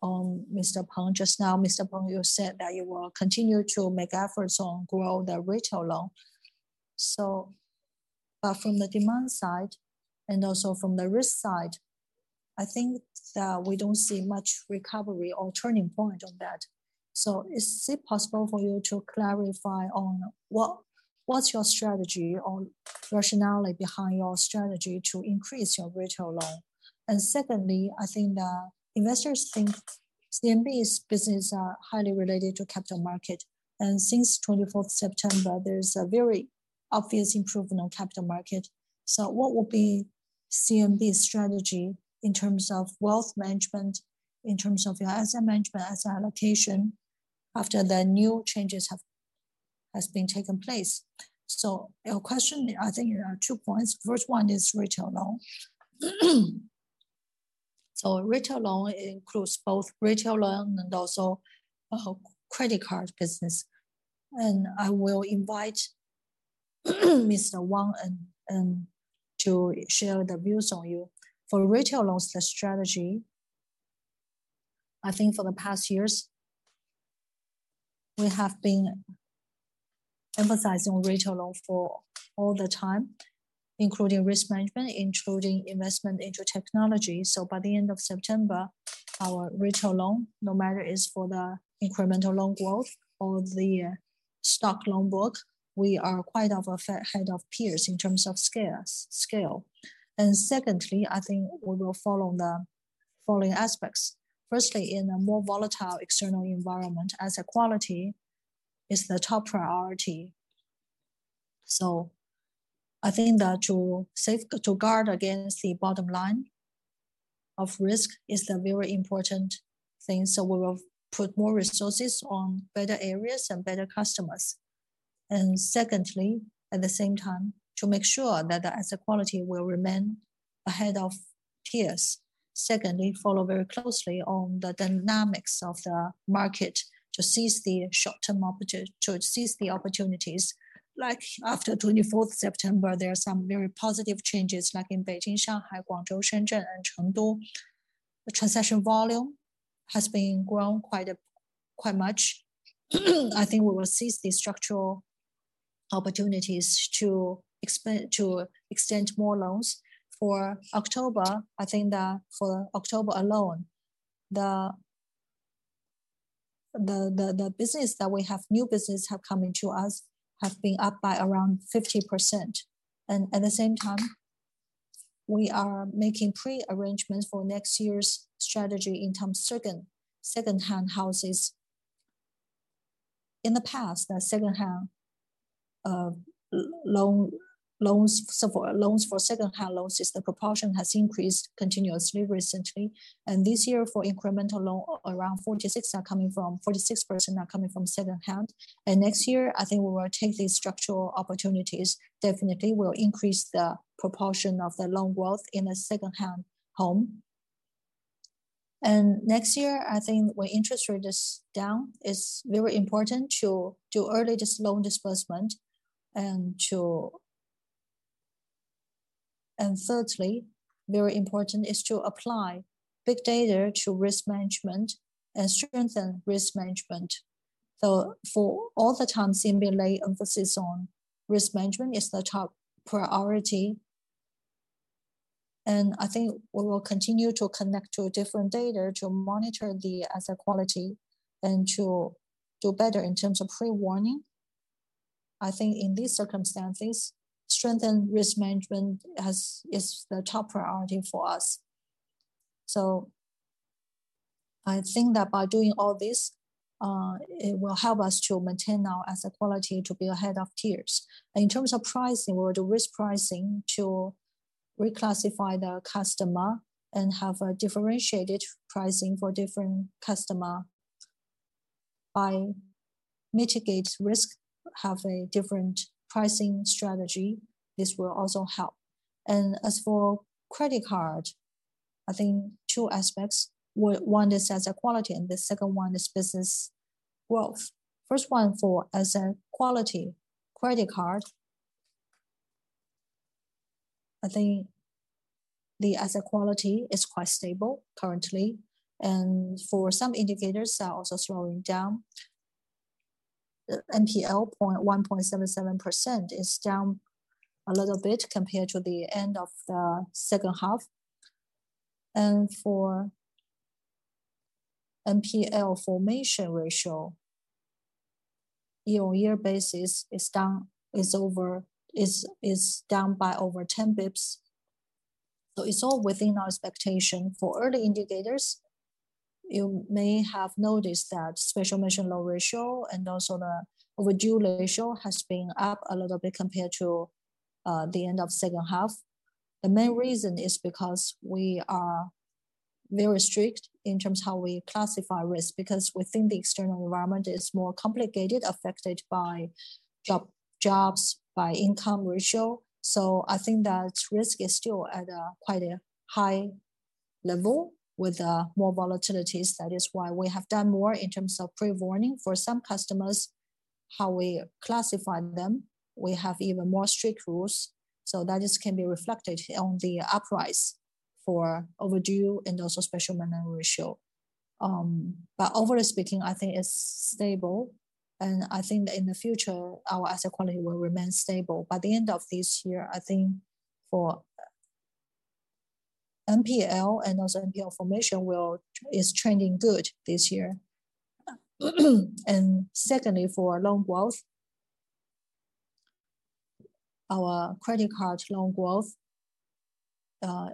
on Mr. Peng just now, Mr. Peng, you said that you will continue to make efforts on growing the retail loan. But from the demand side and also from the risk side, I think that we don't see much recovery or turning point on that. So is it possible for you to clarify on what's your strategy or rationale behind your strategy to increase your retail loan? And secondly, I think that investors think CMB's business is highly related to the capital market. And since 24 September, there is a very obvious improvement in the capital market. So what will be CMB's strategy in terms of wealth management, in terms of your asset management, asset allocation after the new changes have been taken place? So your question, I think there are two points. First one is retail loan. So retail loan includes both retail loan and also credit card business. And I will invite Mr. Wang to share the views on you. For retail loans, the strategy, I think for the past years, we have been emphasizing retail loan for all the time, including risk management, including investment into technology. So by the end of September, our retail loan, no matter if it's for the incremental loan growth or the stock loan work, we are quite ahead of peers in terms of scale. And secondly, I think we will follow the following aspects. Firstly, in a more volatile external environment, asset quality is the top priority. So I think that to guard against the bottom line of risk is a very important thing. So we will put more resources on better areas and better customers. And secondly, at the same time, to make sure that the asset quality will remain ahead of peers. Secondly, follow very closely on the dynamics of the market to seize the short-term opportunities like after 24 September, there are some very positive changes, like in Beijing, Shanghai, Guangzhou, Shenzhen, and Chengdu. The transaction volume has been grown quite much. I think we will seize the structural opportunities to extend more loans. For October, I think that for October alone, the business that we have, new business have come into us, have been up by around 50%. And at the same time, we are making pre-arrangements for next year's strategy in terms of secondhand houses. In the past, the secondhand loans for secondhand loans, the proportion has increased continuously recently. And this year, for incremental loan, around 46% are coming from secondhand. And next year, I think we will take these structural opportunities. Definitely, we'll increase the proportion of the loan growth in a secondhand home. Next year, I think when interest rate is down, it's very important to do early loan disbursement. Thirdly, very important is to apply big data to risk management and strengthen risk management for all the time, CMB lay emphasis on risk management is the top priority. I think we will continue to connect to different data to monitor the asset quality and to do better in terms of pre-warning. I think in these circumstances, strengthen risk management is the top priority for us. I think that by doing all this, it will help us to maintain our asset quality to be ahead of peers. In terms of pricing, we will do risk pricing to reclassify the customer and have a differentiated pricing for different customers. By mitigating risk, have a different pricing strategy this will also help. As for credit card, I think two aspects. One is asset quality, and the second one is business growth. First one, for asset quality credit card, I think the asset quality is quite stable currently. For some indicators, they're also slowing down. The NPL, 1.77%, is down a little bit compared to the end of the second half. For NPL formation ratio, year-on-year basis is down by over 10 basis points. So it's all within our expectation for early indicators, you may have noticed that special mention loan ratio and also the overdue ratio ha s been up a little bit compared to the end of the second half. The main reason is because we are very strict in terms of how we classify risk because we think the external environment is more complicated, affected by jobs, by income ratio. So I think that risk is still at quite a high level with more volatilities that is why we have done more in terms of pre-warning for some customers, how we classify them, we have even more strict rules. So that just can be reflected on the rise in overdue and also special mention ratio. But overall speaking, I think it's stable. And I think that in the future, our asset quality will remain stable by the end of this year, I think for NPL and also NPL formation is trending good this year. And secondly, for loan growth, our credit card loan growth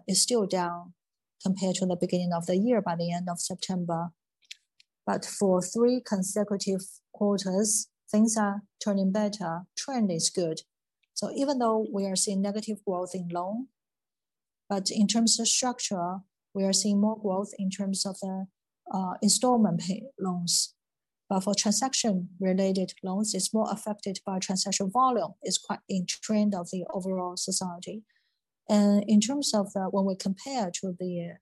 is still down compared to the beginning of the year by the end of September. But for three consecutive quarters, things are turning better trend is good. So even though we are seeing negative growth in loan, but in terms of structure, we are seeing more growth in terms of installment loans. But for transaction-related loans, it's more affected by transaction volume it's quite in trend of the overall society. And in terms of when we compare to the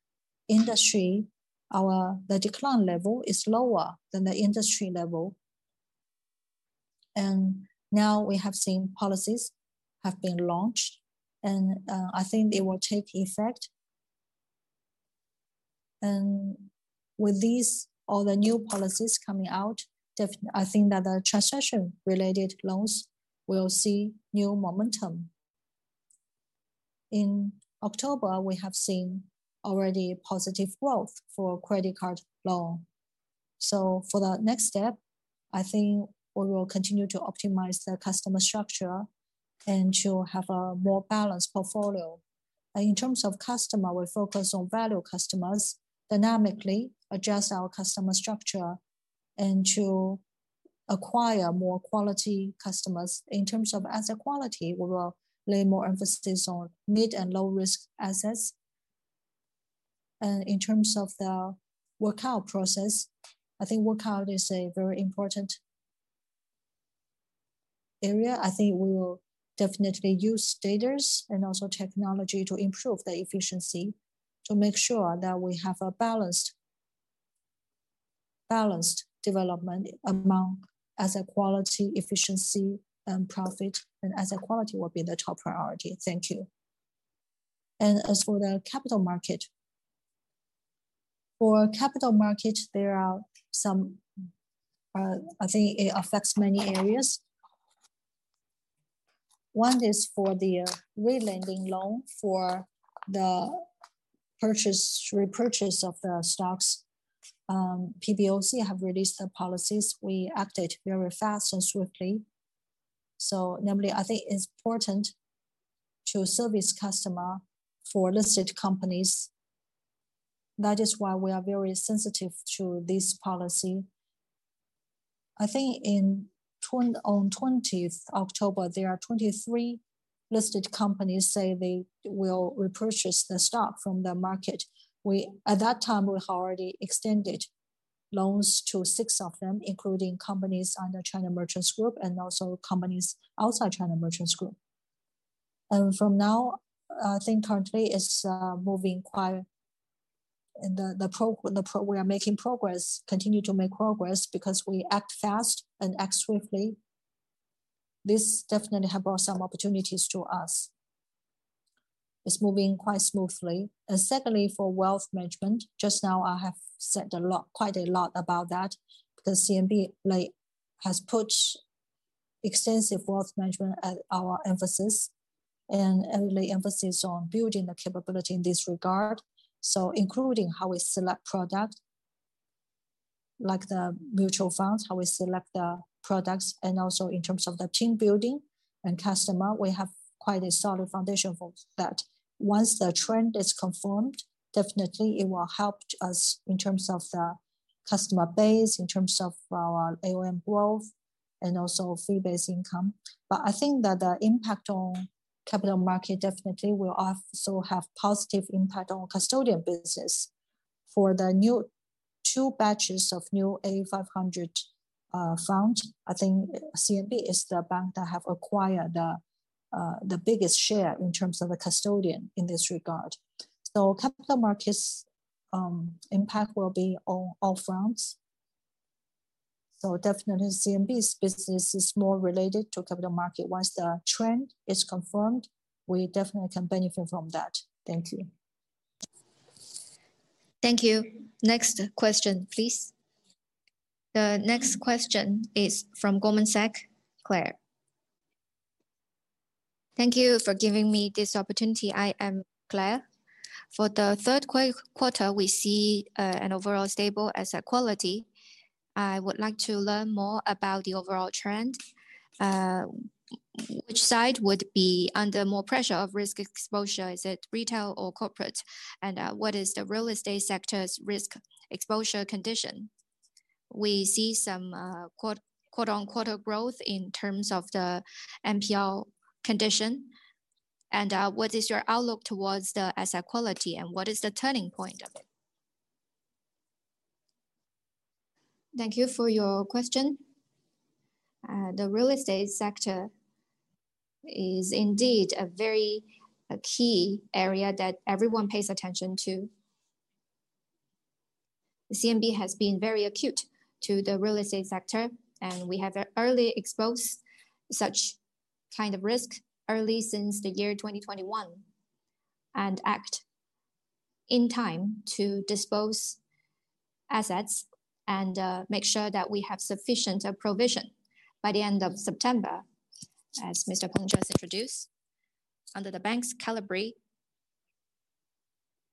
industry, the decline level is lower than the industry level. And now we have seen policies have been launched. And I think it will take effect. And with these or the new policies coming out, I think that the transaction-related loans will see new momentum. In October, we have seen already positive growth for credit card loan. So for the next step, I think we will continue to optimize the customer structure and to have a more balanced portfolio. In terms of customers, we focus on value customers, dynamically adjust our customer structure and to acquire more quality customers in terms of asset quality, we will lay more emphasis on mid- and low-risk assets. And in terms of the workout process, I think workout is a very important area i think we will definitely use data and also technology to improve the efficiency to make sure that we have a balanced development among asset quality, efficiency, and profit and asset quality will be the top priority thank you. And as for the capital market, for capital market, there are some I think it affects many areas. One is for the re-lending loan for the repurchase of the stocks. PBOC have released the policies we acted very fast and swiftly. So namely, I think it's important to service customers for listed companies. That is why we are very sensitive to this policy. I think on 20th October, there are 23 listed companies say they will repurchase the stock from the market. At that time, we have already extended loans to six of them, including companies under China Merchants Group and also companies outside China Merchants Group. And from now, I think currently it's moving quite the program making progress, continue to make progress because we act fast and act swiftly. This definitely has brought some opportunities to us. It's moving quite smoothly and secondly, for wealth management, just now I have said quite a lot about that because CMB has put extensive wealth management at our emphasis and emphasis on building the capability in this regard. So including how we select products. Like the mutual funds, how we select the products, and also in terms of the team building and customer, we have quite a solid foundation for that. Once the trend is confirmed, definitely it will help us in terms of the customer base, in terms of our AUM growth, and also fee-based income. But I think that the impact on capital market definitely will also have a positive impact on custodian business. For the new two batches of new A500 funds, I think CMB is the bank that has acquired the biggest share in terms of the custodian in this regard. So capital markets' impact will be on all funds. So definitely CMB's business is more related to capital market once the trend is confirmed, we definitely can benefit from that. Thank you. Thank you. Next question, please. The next question is from Goldman Sachs, Claire. Thank you for giving me this opportunity. I am Claire. For the Q3, we see an overall stable asset quality. I would like to learn more about the overall trend. Which side would be under more pressure of risk exposure Is it retail or corporate? And what? is the real estate sector's risk exposure condition? We see some quarter-on-quarter growth in terms of the NPL condition. And what is your outlook towards the asset quality? And what is the turning point of it? Thank you for your question. The real estate sector is indeed a very key area that everyone pays attention to. CMB has been very cautious to the real estate sector, and we have early exposed such kind of risk early since the year 2021 and act in time to dispose assets and make sure that we have sufficient provision by the end of September, as Mr. Wang just introduced. Under the bank's caliber.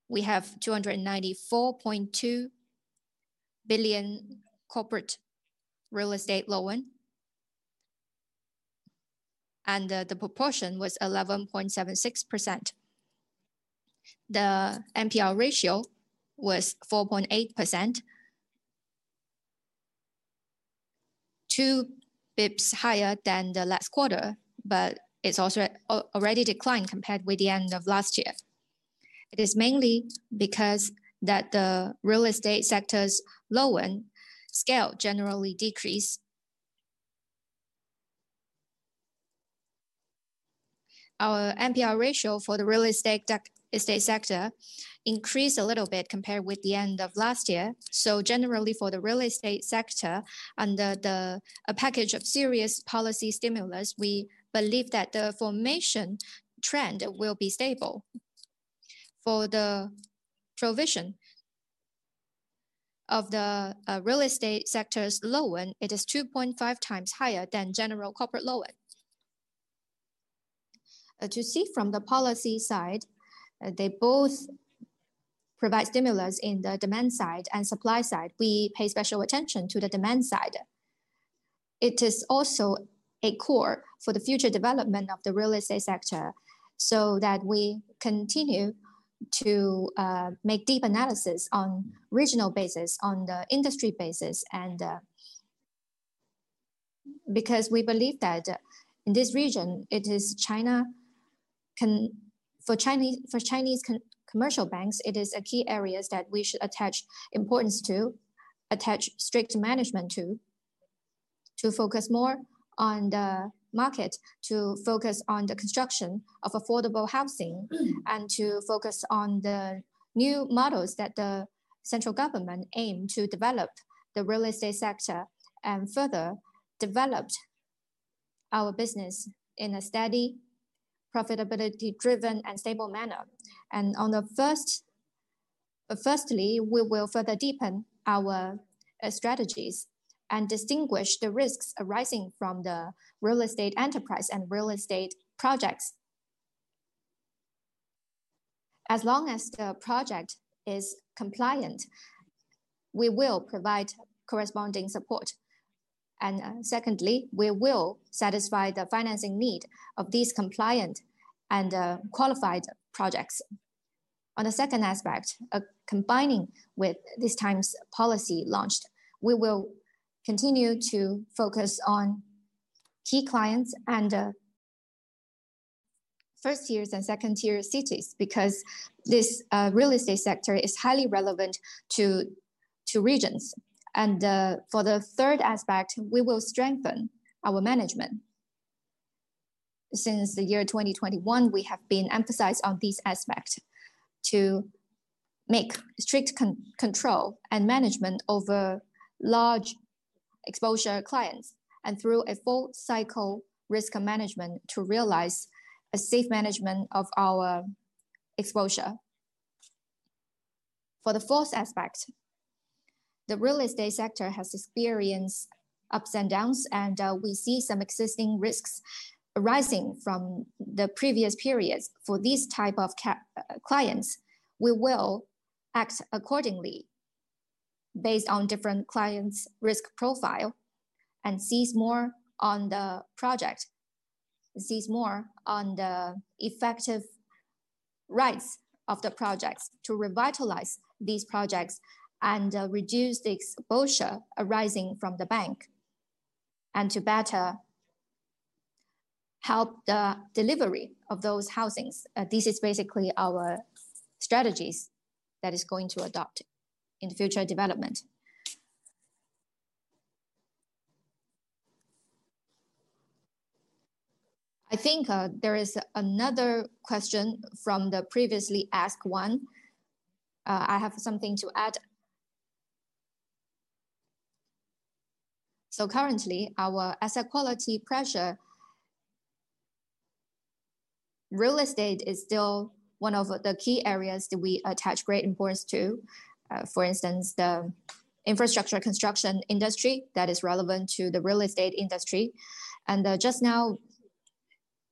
We have 294.2 billion corporate real estate loan, and the proportion was 11.76%. The NPL ratio was 4.8%, two basis points higher than the last quarter, but it's also already declined compared with the end of last year. It is mainly because that the real estate sector's loan scale generally decreased. Our NPL ratio for the real estate sector increased a little bit compared with the end of last year, so generally for the real estate sector, under a package of series policy stimulus, we believe that the bottoming trend will be stable. For the provision of the real estate sector's loan, it is 2.5 times higher than general corporate loan. To see from the policy side, they both provide stimulus in the demand side and supply side we pay special attention to the demand side. It is also a core for the future development of the real estate sector so that we continue to make deep analysis on regional basis, on the industry basis. Because we believe that in this region, it is China for Chinese commercial banks it is a key area that we should attach importance to, attach strict management to, to focus more on the market, to focus on the construction of affordable housing, and to focus on the new models that the central government aim to develop the real estate sector and further develop our business in a steady, profitability-driven, and stable manner. Firstly, we will further deepen our strategies and distinguish the risks arising from the real estate enterprise and real estate projects. As long as the project is compliant, we will provide corresponding support. Secondly, we will satisfy the financing need of these compliant and qualified projects. On the second aspect, combining with this time's policy launched, we will continue to focus on key clients and first-tier and second-tier cities because this real estate sector is highly relevant to regions. For the third aspect, we will strengthen our management. Since the year 2021, we have emphasized on this aspect to make strict control and management over large exposure clients and through a full-cycle risk management to realize a safe management of our exposure. For the fourth aspect, the real estate sector has experienced ups and downs, and we see some existing risks arising from the previous periods for these type of clients, we will act accordingly based on different clients' risk profile and seize more on the project, seize more on the effective rights of the projects to revitalize these projects and reduce the exposure arising from the bank and to better help the delivery of those housings. This is basically our strategies that are going to adopt in future development. I think there is another question from the previously asked one. I have something to add. Currently, our asset quality pressure, real estate is still one of the key areas that we attach great importance to. For instance, the infrastructure construction industry that is relevant to the real estate industry, and just now,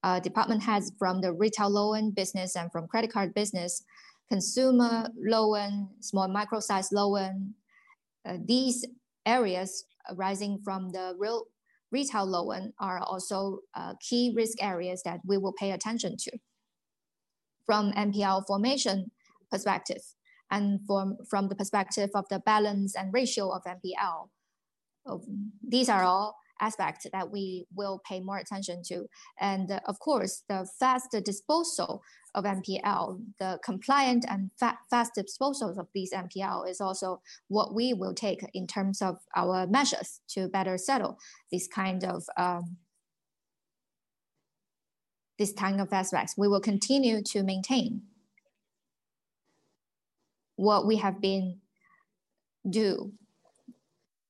the department has from the retail loan business and from credit card business, consumer loan, small micro-sized loan. These areas arising from the retail loan are also key risk areas that we will pay attention to from NPL formation perspective and from the perspective of the balance and ratio of NPL. These are all aspects that we will pay more attention to, and of course, the fast disposal of NPL, the compliant and fast disposal of these NPL is also what we will take in terms of our measures to better settle this kind of- aspects we will continue to maintain what we have been doing,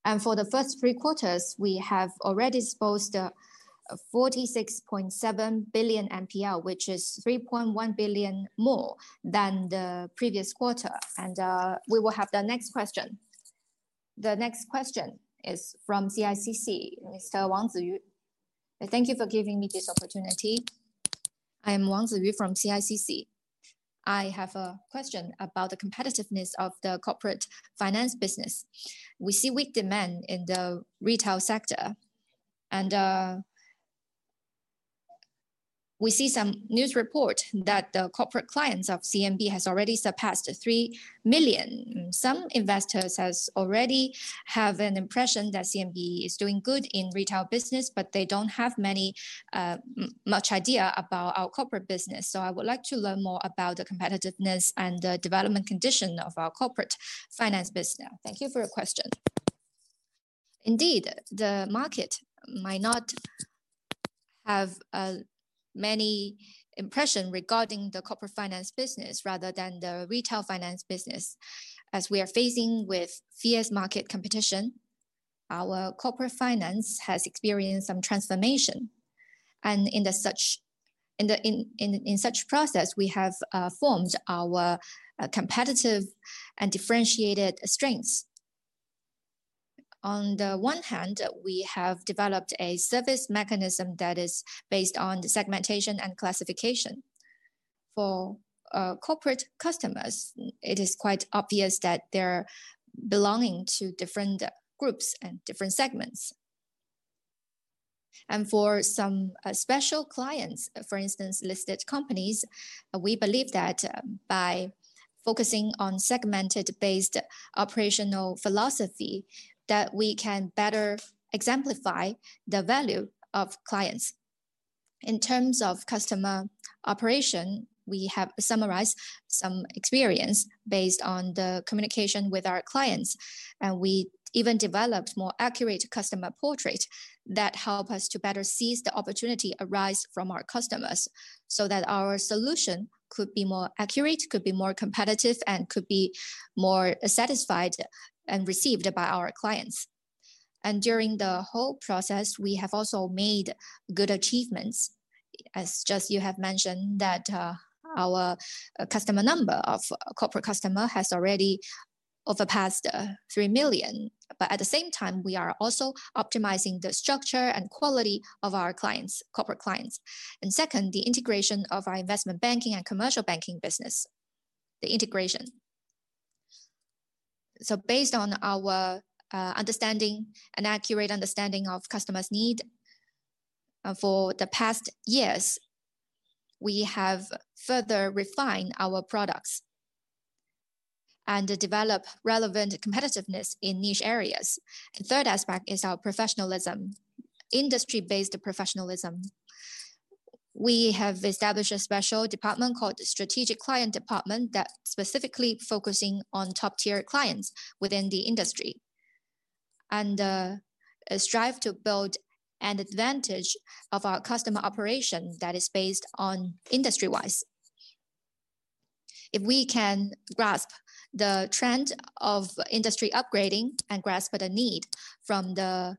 and for the first three quarters, we have already disposed of 46.7 billion NPL, which is 3.1 billion more than the previous quarter, and we will have the next question. The next question is from CICC, Mr. Wang Zhiyu. Thank you for giving me this opportunity. I am Wang Zhiyu from CICC. I have a question about the competitiveness of the corporate finance business. We see weak demand in the retail sector. And we see some news reports that the corporate clients of CMB have already surpassed 3 million. Some investors have already an impression that CMB is doing good in retail business, but they don't have much idea about our corporate business so I would like to learn more about the competitiveness and the development condition of our corporate finance business. Thank you for your question. Indeed, the market might not have many impressions regarding the corporate finance business rather than the retail finance business. As we are facing with fierce market competition, our corporate finance has experienced some transformation. And in such a process, we have formed our competitive and differentiated strengths. On the one hand, we have developed a service mechanism that is based on segmentation and classification. For corporate customers, it is quite obvious that they're belonging to different groups and different segments. And for some special clients, for instance, listed companies, we believe that by focusing on segmented-based operational philosophy, we can better exemplify the value of clients. In terms of customer operation, we have summarized some experience based on the communication with our clients. And we even developed more accurate customer portraits that help us to better seize the opportunity that arises from our customers so that our solution could be more accurate, could be more competitive, and could be more satisfied and received by our clients. And during the whole process, we have also made good achievements. As just you have mentioned, our customer number of corporate customers has already surpassed three million. But at the same time, we are also optimizing the structure and quality of our corporate clients. Second, the integration of our investment banking and commercial banking business, the integration. Based on our understanding and accurate understanding of customers' needs for the past years, we have further refined our products and developed relevant competitiveness in niche areas. The third aspect is our professionalism, industry-based professionalism. We have established a special department called the Strategic Client Department that is specifically focusing on top-tier clients within the industry. And strives to build an advantage of our customer operation that is based on industry-wise. If we can grasp the trend of industry upgrading and grasp the need from the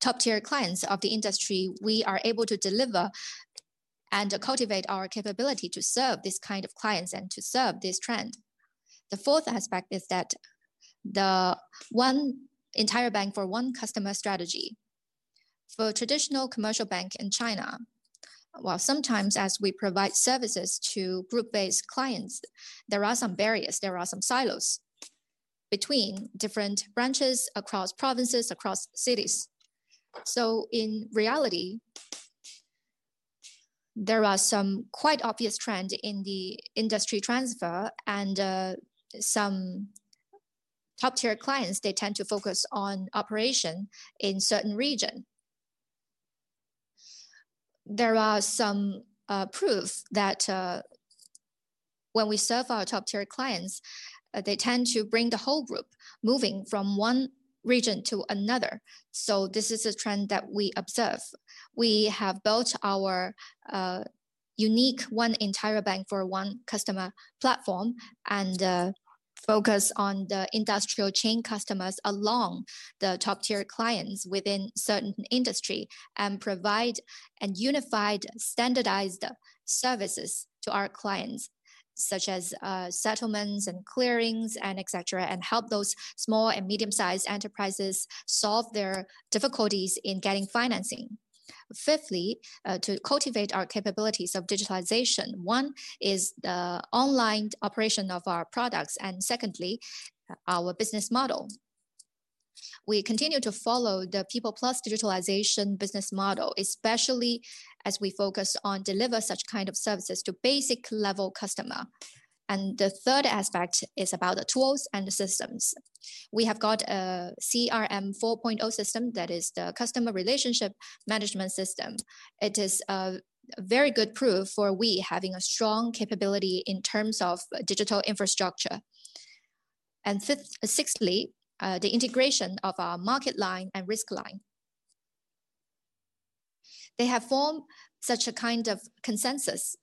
top-tier clients of the industry, we are able to deliver and cultivate our capability to serve this kind of clients and to serve this trend. The fourth aspect is that the one entire bank for one customer strategy. For traditional commercial bank in China, while sometimes we provide services to group-based clients, there are some barriers there are some silos between different branches across provinces, across cities. So in reality, there are some quite obvious trends in the industry transfer. And some top-tier clients, they tend to focus on operation in certain regions. There are some proofs that when we serve our top-tier clients, they tend to bring the whole group moving from one region to another. So this is a trend that we observe. We have built our unique one entire bank for one customer platform. nd focus on the industrial chain customers along the top-tier clients within certain industries and provide unified, standardized services to our clients, such as settlements and clearings, etc., and help those small and medium-sized enterprises solve their difficulties in getting financing. Fifthly, to cultivate our capabilities of digitalization, one is the online operation of our products and secondly, our business model. We continue to follow the People+ digitalization business model, especially as we focus on delivering such kinds of services to basic-level customers. And the third aspect is about the tools and the systems. We have got a CRM 4.0 system that is the Customer Relationship Management System. It is a very good proof for us having a strong capability in terms of digital infrastructure. And sixthly, the integration of our market line and risk line. They have formed such a kind of consensus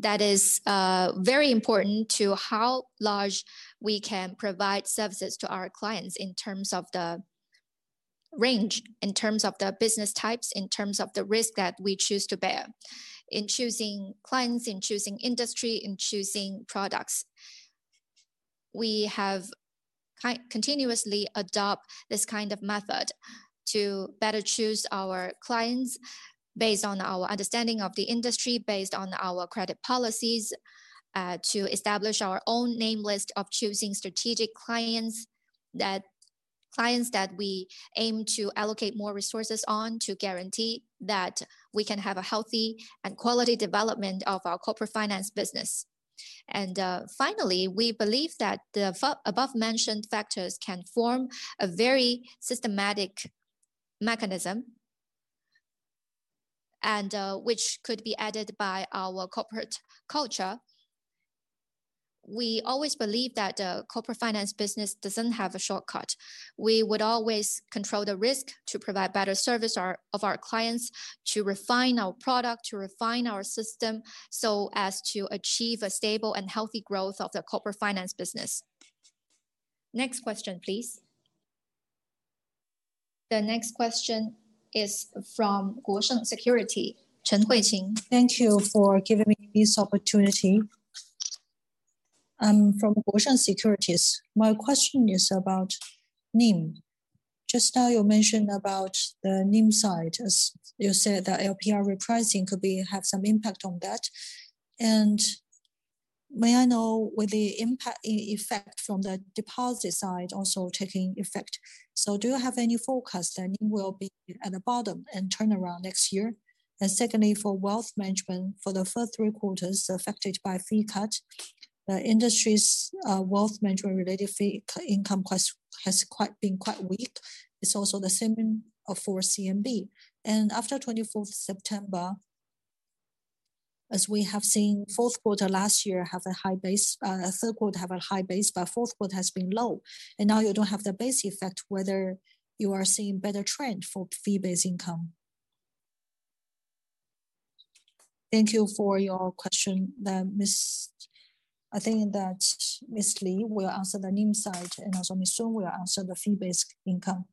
that is very important to how large we can provide services to our clients in terms of the range, in terms of the business types, in terms of the risk that we choose to bear in choosing clients, in choosing industry, in choosing products. We have continuously adopted this kind of method to better choose our clients based on our understanding of the industry, based on our credit policies, to establish our own name list of choosing strategic clients that we aim to allocate more resources on to guarantee that we can have a healthy and quality development of our corporate finance business. And finally, we believe that the above-mentioned factors can form a very systematic mechanism which could be added by our corporate culture. We always believe that the corporate finance business doesn't have a shortcut. We would always control the risk to provide better service to our clients, to refine our product, to refine our system so as to achieve a stable and healthy growth of the corporate finance business. Next question, please. The next question is from Guosheng Securities, Chen Huiqing. Thank you for giving me this opportunity. I'm from Guosheng Securities. My question is about NIM. Just now, you mentioned about the NIM side. You said that LPR repricing could have some impact on that. And may I know whether the impact effect from the deposit side is also taking effect? So do you have any forecast that NIM will be at the bottom and turn around next year? And secondly, for wealth management, for the first three quarters affected by fee cuts, the industry's wealth management-related fee income has been quite weak. It's also the same for CMB. And after 24th September, as we have seen, Q4 last year had a high base, Q3 had a high base, but Q4 has been low. And now you don't have the base effect, whether you are seeing a better trend for fee-based income. Thank you for your question. I think that Ms. Li will answer the NIM side, and also Ms. Sun will answer the fee-based income.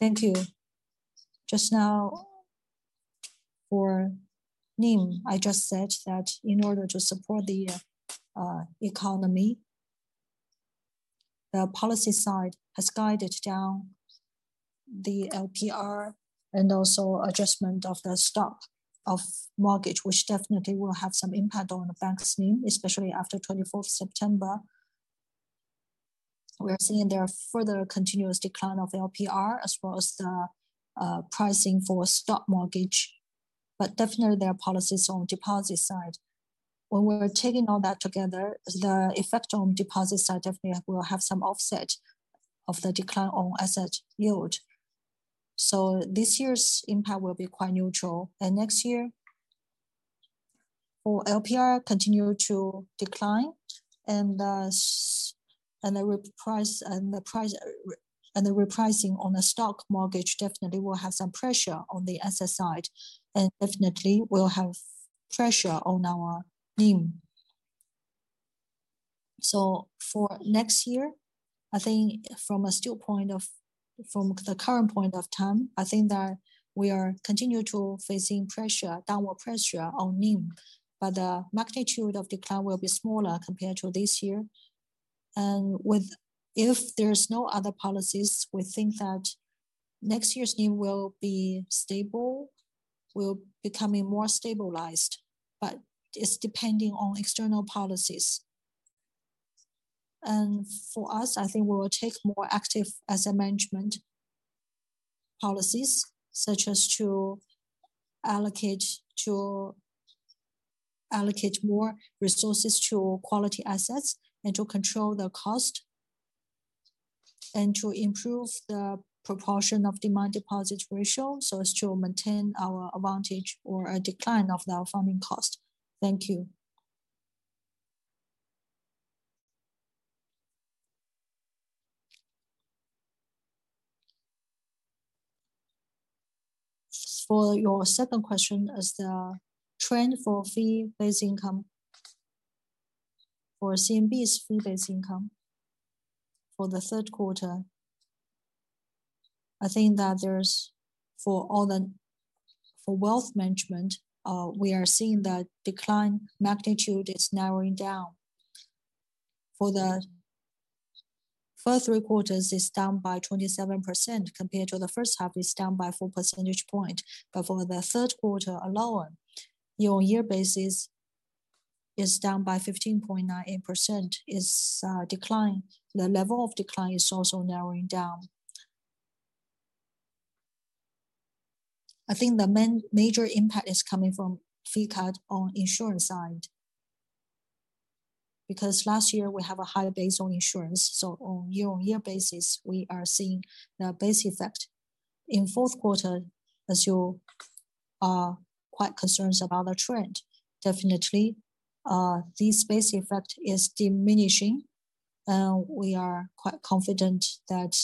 Thank you. Just now, for NIM, I just said that in order to support the economy, the policy side has guided down the LPR and also adjustment of the stock of mortgage, which definitely will have some impact on the bank's NIM, especially after 24th September. We're seeing there are further continuous declines of LPR as well as the pricing for stock mortgage, but definitely, there are policies on the deposit side. When we're taking all that together, the effect on the deposit side definitely will have some offset of the decline on asset yield. So this year's impact will be quite neutral, and next year, for LPR, continue to decline, and the repricing on the stock mortgage definitely will have some pressure on the asset side, and definitely, we'll have pressure on our NIM. So for next year, I think from the current point of time, I think that we are continuing to face downward pressure on NIM but the magnitude of decline will be smaller compared to this year. And if there are no other policies, we think that next year's NIM will be stable, will become more stabilized. But it's depending on external policies. And for us, I think we will take more active asset management policies, such as to allocate more resources to quality assets and to control the cost and to improve the proportion of demand-deposit ratio so as to maintain our advantage or a decline of the funding cost. Thank you. For your second question, as the trend for CMB's fee-based income for the Q3, I think that for wealth management, we are seeing the decline magnitude is narrowing down. For the first three quarters, it's down by 27% compared to the first half it's down by four percentage points but for the Q3 alone, year-on-year basis is down by 15.98% the level of decline is also narrowing down. I think the major impact is coming from fee cut on the insurance side because last year, we had a higher base on insurance so on a year-on-year basis, we are seeing the base effect. In the Q4, as you are quite concerned about the trend, definitely, this base effect is diminishing, and we are quite confident that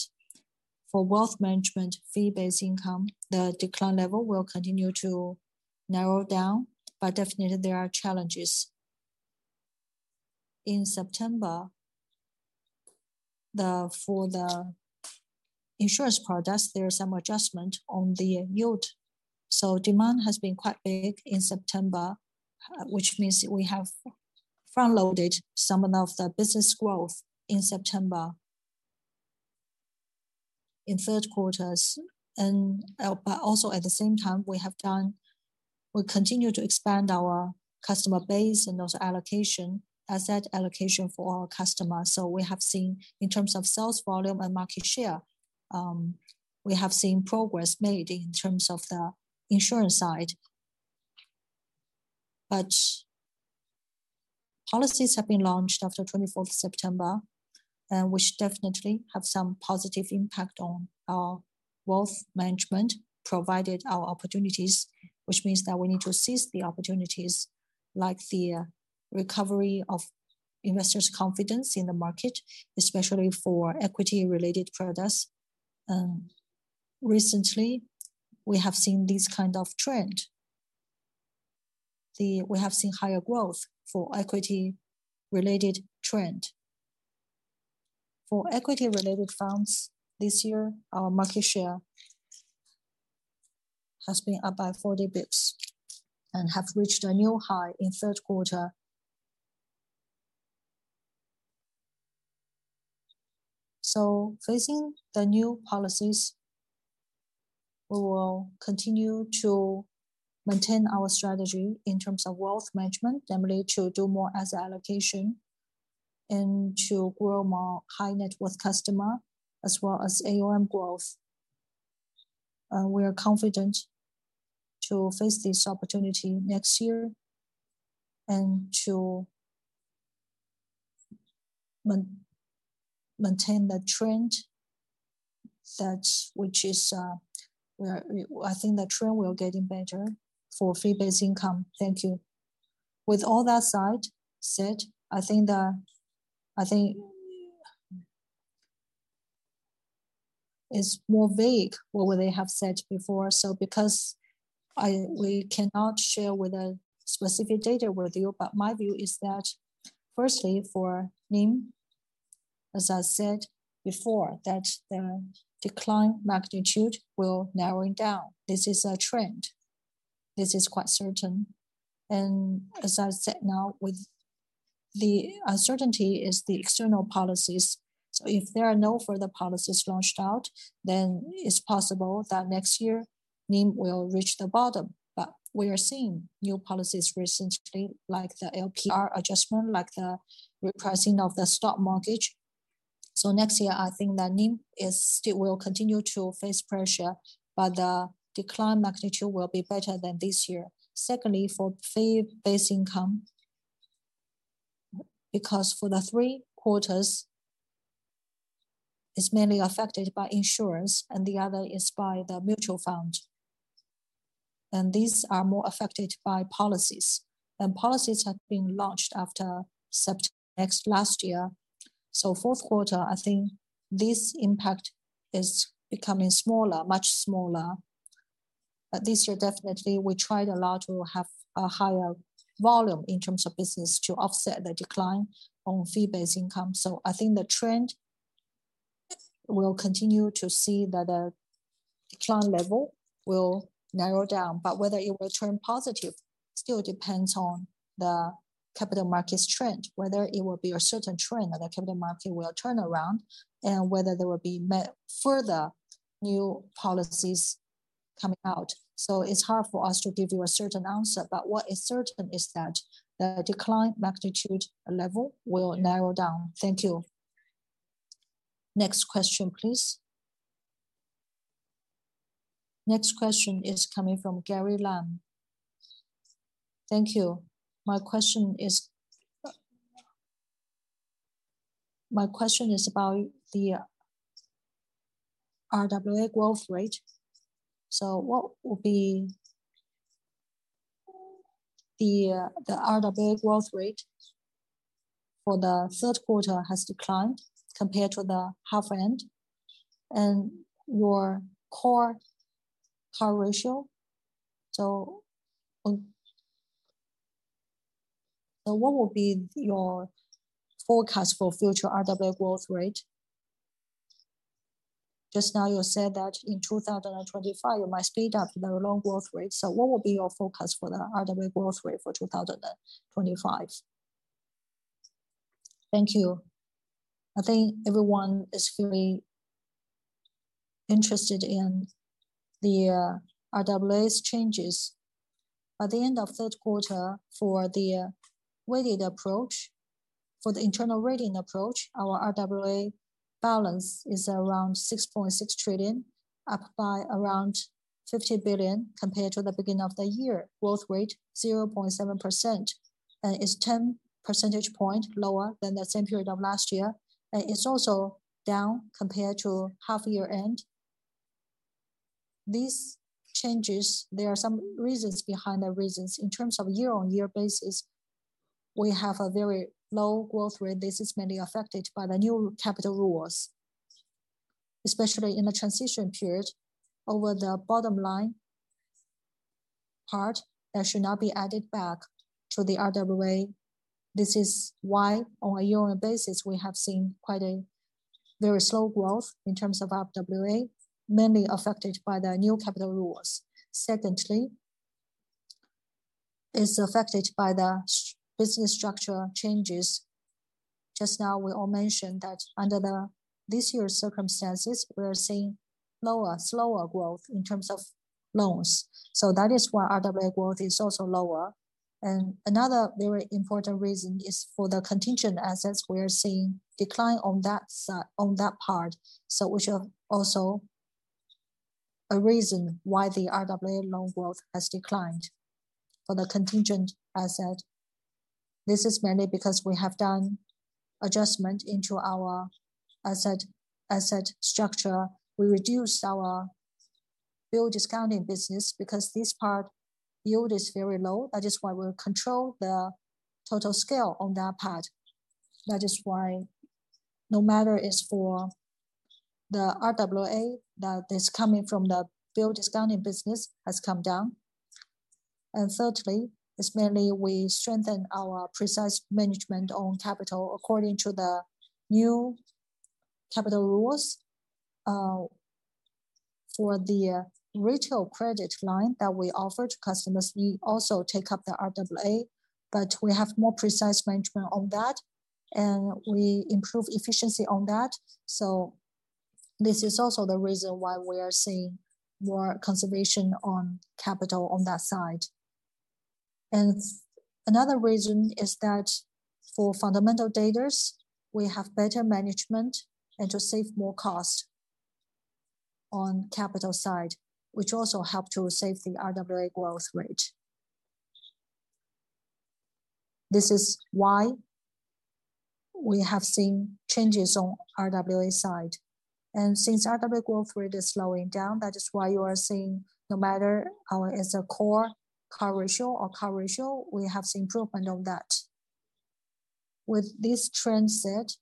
for wealth management, fee-based income, the decline level will continue to narrow down, but definitely, there are challenges. In September, for the insurance products, there is some adjustment on the yield. Demand has been quite big in September, which means we have front-loaded some of the business growth in September in the Q3. But also at the same time, we continue to expand our customer base and also asset allocation for our customers we have seen, in terms of sales volume and market share, we have seen progress made in terms of the insurance side. But policies have been launched after 24th September, which definitely have some positive impact on our wealth management, provided our opportunities, which means that we need to seize the opportunities, like the recovery of investors' confidence in the market, especially for equity-related products. Recently, we have seen this kind of trend. We have seen higher growth for equity-related trends. For equity-related funds this year, our market share has been up by 40 basis points and has reached a new high in the Q3. So facing the new policies, we will continue to maintain our strategy in terms of wealth management, namely to do more asset allocation and to grow more high-net-worth customers as well as AUM growth. We are confident to face this opportunity next year and to maintain the trend, which is I think the trend will get better for fee-based income thank you. With all that said, I think it's more vague what they have said before. So because we cannot share with a specific data with you, but my view is that, firstly, for NIM, as I said before, that the decline magnitude will narrow down. This is a trend. This is quite certain. And as I said now, the uncertainty is the external policies. So if there are no further policies launched out, then it's possible that next year, NIM will reach the bottom but we are seeing new policies recently, like the LPR adjustment, like the repricing of the stock mortgage. So next year, I think that NIM will continue to face pressure, but the decline magnitude will be better than this year. Secondly, for fee-based income. Because for the three quarters, it's mainly affected by insurance, and the other is by the mutual fund. And these are more affected by policies. And policies have been launched after last year. So Q4, I think this impact is becoming smaller, much smaller. But this year, definitely, we tried a lot to have a higher volume in terms of business to offset the decline on fee-based income so I think the trend will continue to see that the decline level will narrow down but whether it will turn positive still depends on the capital markets' trend, whether it will be a certain trend that the capital market will turn around, and whether there will be further new policies coming out. So it's hard for us to give you a certain answer. But what is certain is that the decline magnitude level will narrow down. Thank you. Next question, please. Next question is coming from Gary Lam. Thank you. My question is about the RWA growth rate. So, the RWA growth rate for the Q3 has declined compared to the half-year end and your core ratio? So what will be your forecast for future RWA growth rate? Just now, you said that in 2025, you might speed up the loan growth rate. So what will be your forecast for the RWA growth rate for 2025? Thank you. I think everyone is very interested in the RWA's changes. By the end of the Q3, for the weighted approach, for the internal rating approach, our RWA balance is around 6.6 trillion, up by around 50 billion compared to the beginning of the year growth rate is 0.7% and is 10 percentage points lower than the same period of last year. It's also down compared to half year end. There are some reasons behind the reasons in terms of year-on-year basis, we have a very low growth rate this is mainly affected by the new capital rules, especially in the transition period. Over the bottom line part, that should not be added back to the RWA. This is why, on a year-on-year basis, we have seen quite a very slow growth in terms of RWA, mainly affected by the new capital rules. Secondly, it's affected by the business structure changes. Just now, we all mentioned that under this year's circumstances, we are seeing slower growth in terms of loans. So that is why RWA growth is also lower. And another very important reason is for the contingent assets we are seeing a decline on that part, which is also a reason why the RWA loan growth has declined for the contingent asset. This is mainly because we have done adjustments into our asset structure. We reduced our bill discounting business because this part, yield is very low that is why we control the total scale on that part. That is why no matter it's for the RWA, that is coming from the bill discounting business has come down. And thirdly, it's mainly we strengthen our precise management on capital according to the new capital rules. For the retail credit line that we offer to customers, we also take up the RWA, but we have more precise management on that, and we improve efficiency on that. So this is also the reason why we are seeing more conservation on capital on that side. And another reason is that for fundamental data, we have better management and to save more cost on capital side, which also helps to save the RWA growth rate. This is why we have seen changes on RWA side. And since RWA growth rate is slowing down, that is why you are seeing no matter it's a core ratio or core ratio, we have seen improvement on that. With this trend set,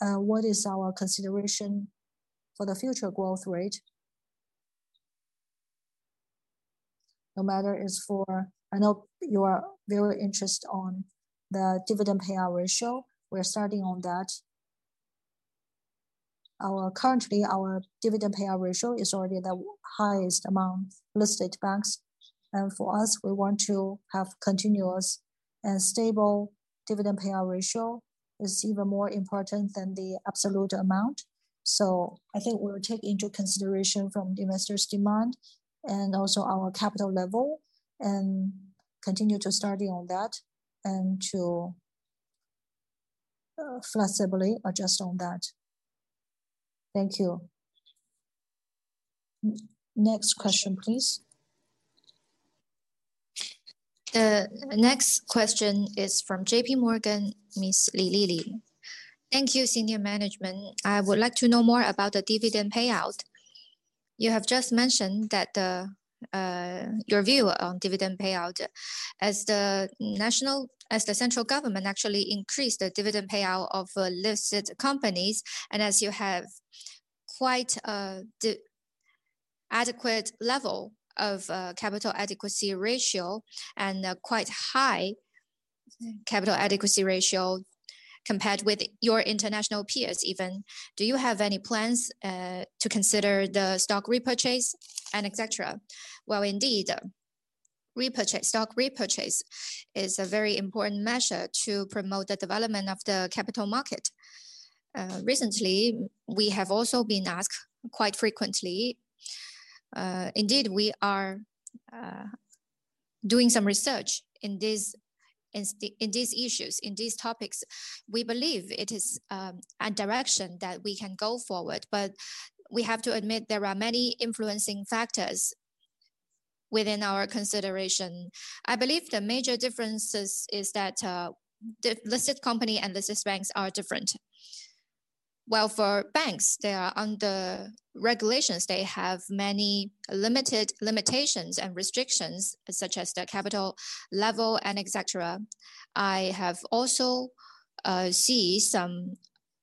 what is our consideration for the future growth rate? No matter it's for I know you are very interested in the dividend payout ratio we are starting on that. Currently, our dividend payout ratio is already the highest among listed banks, and for us, we want to have continuous and stable dividend payout ratio. It's even more important than the absolute amount, so I think we'll take into consideration from investors' demand and also our capital level and continue to start on that and to flexibly adjust on that. Thank you. Next question, please. The next question is from J.P. Morgan, Ms. Li Li. Thank you, senior management. I would like to know more about the dividend payout. You have just mentioned that your view on dividend payout as the central government actually increased the dividend payout of listed companies. And as you have quite an adequate level of capital adequacy ratio and quite high capital adequacy ratio compared with your international peers even, do you have any plans? to consider the stock repurchase and etc.? Indeed, stock repurchase is a very important measure to promote the development of the capital market. Recently, we have also been asked quite frequently. Indeed, we are doing some research in these issues, in these topics. We believe it is a direction that we can go forward, but we have to admit there are many influencing factors within our consideration. I believe the major difference is that listed companies and listed banks are different. For banks, under regulations, they have many limitations and restrictions such as the capital level and etc. I have also seen some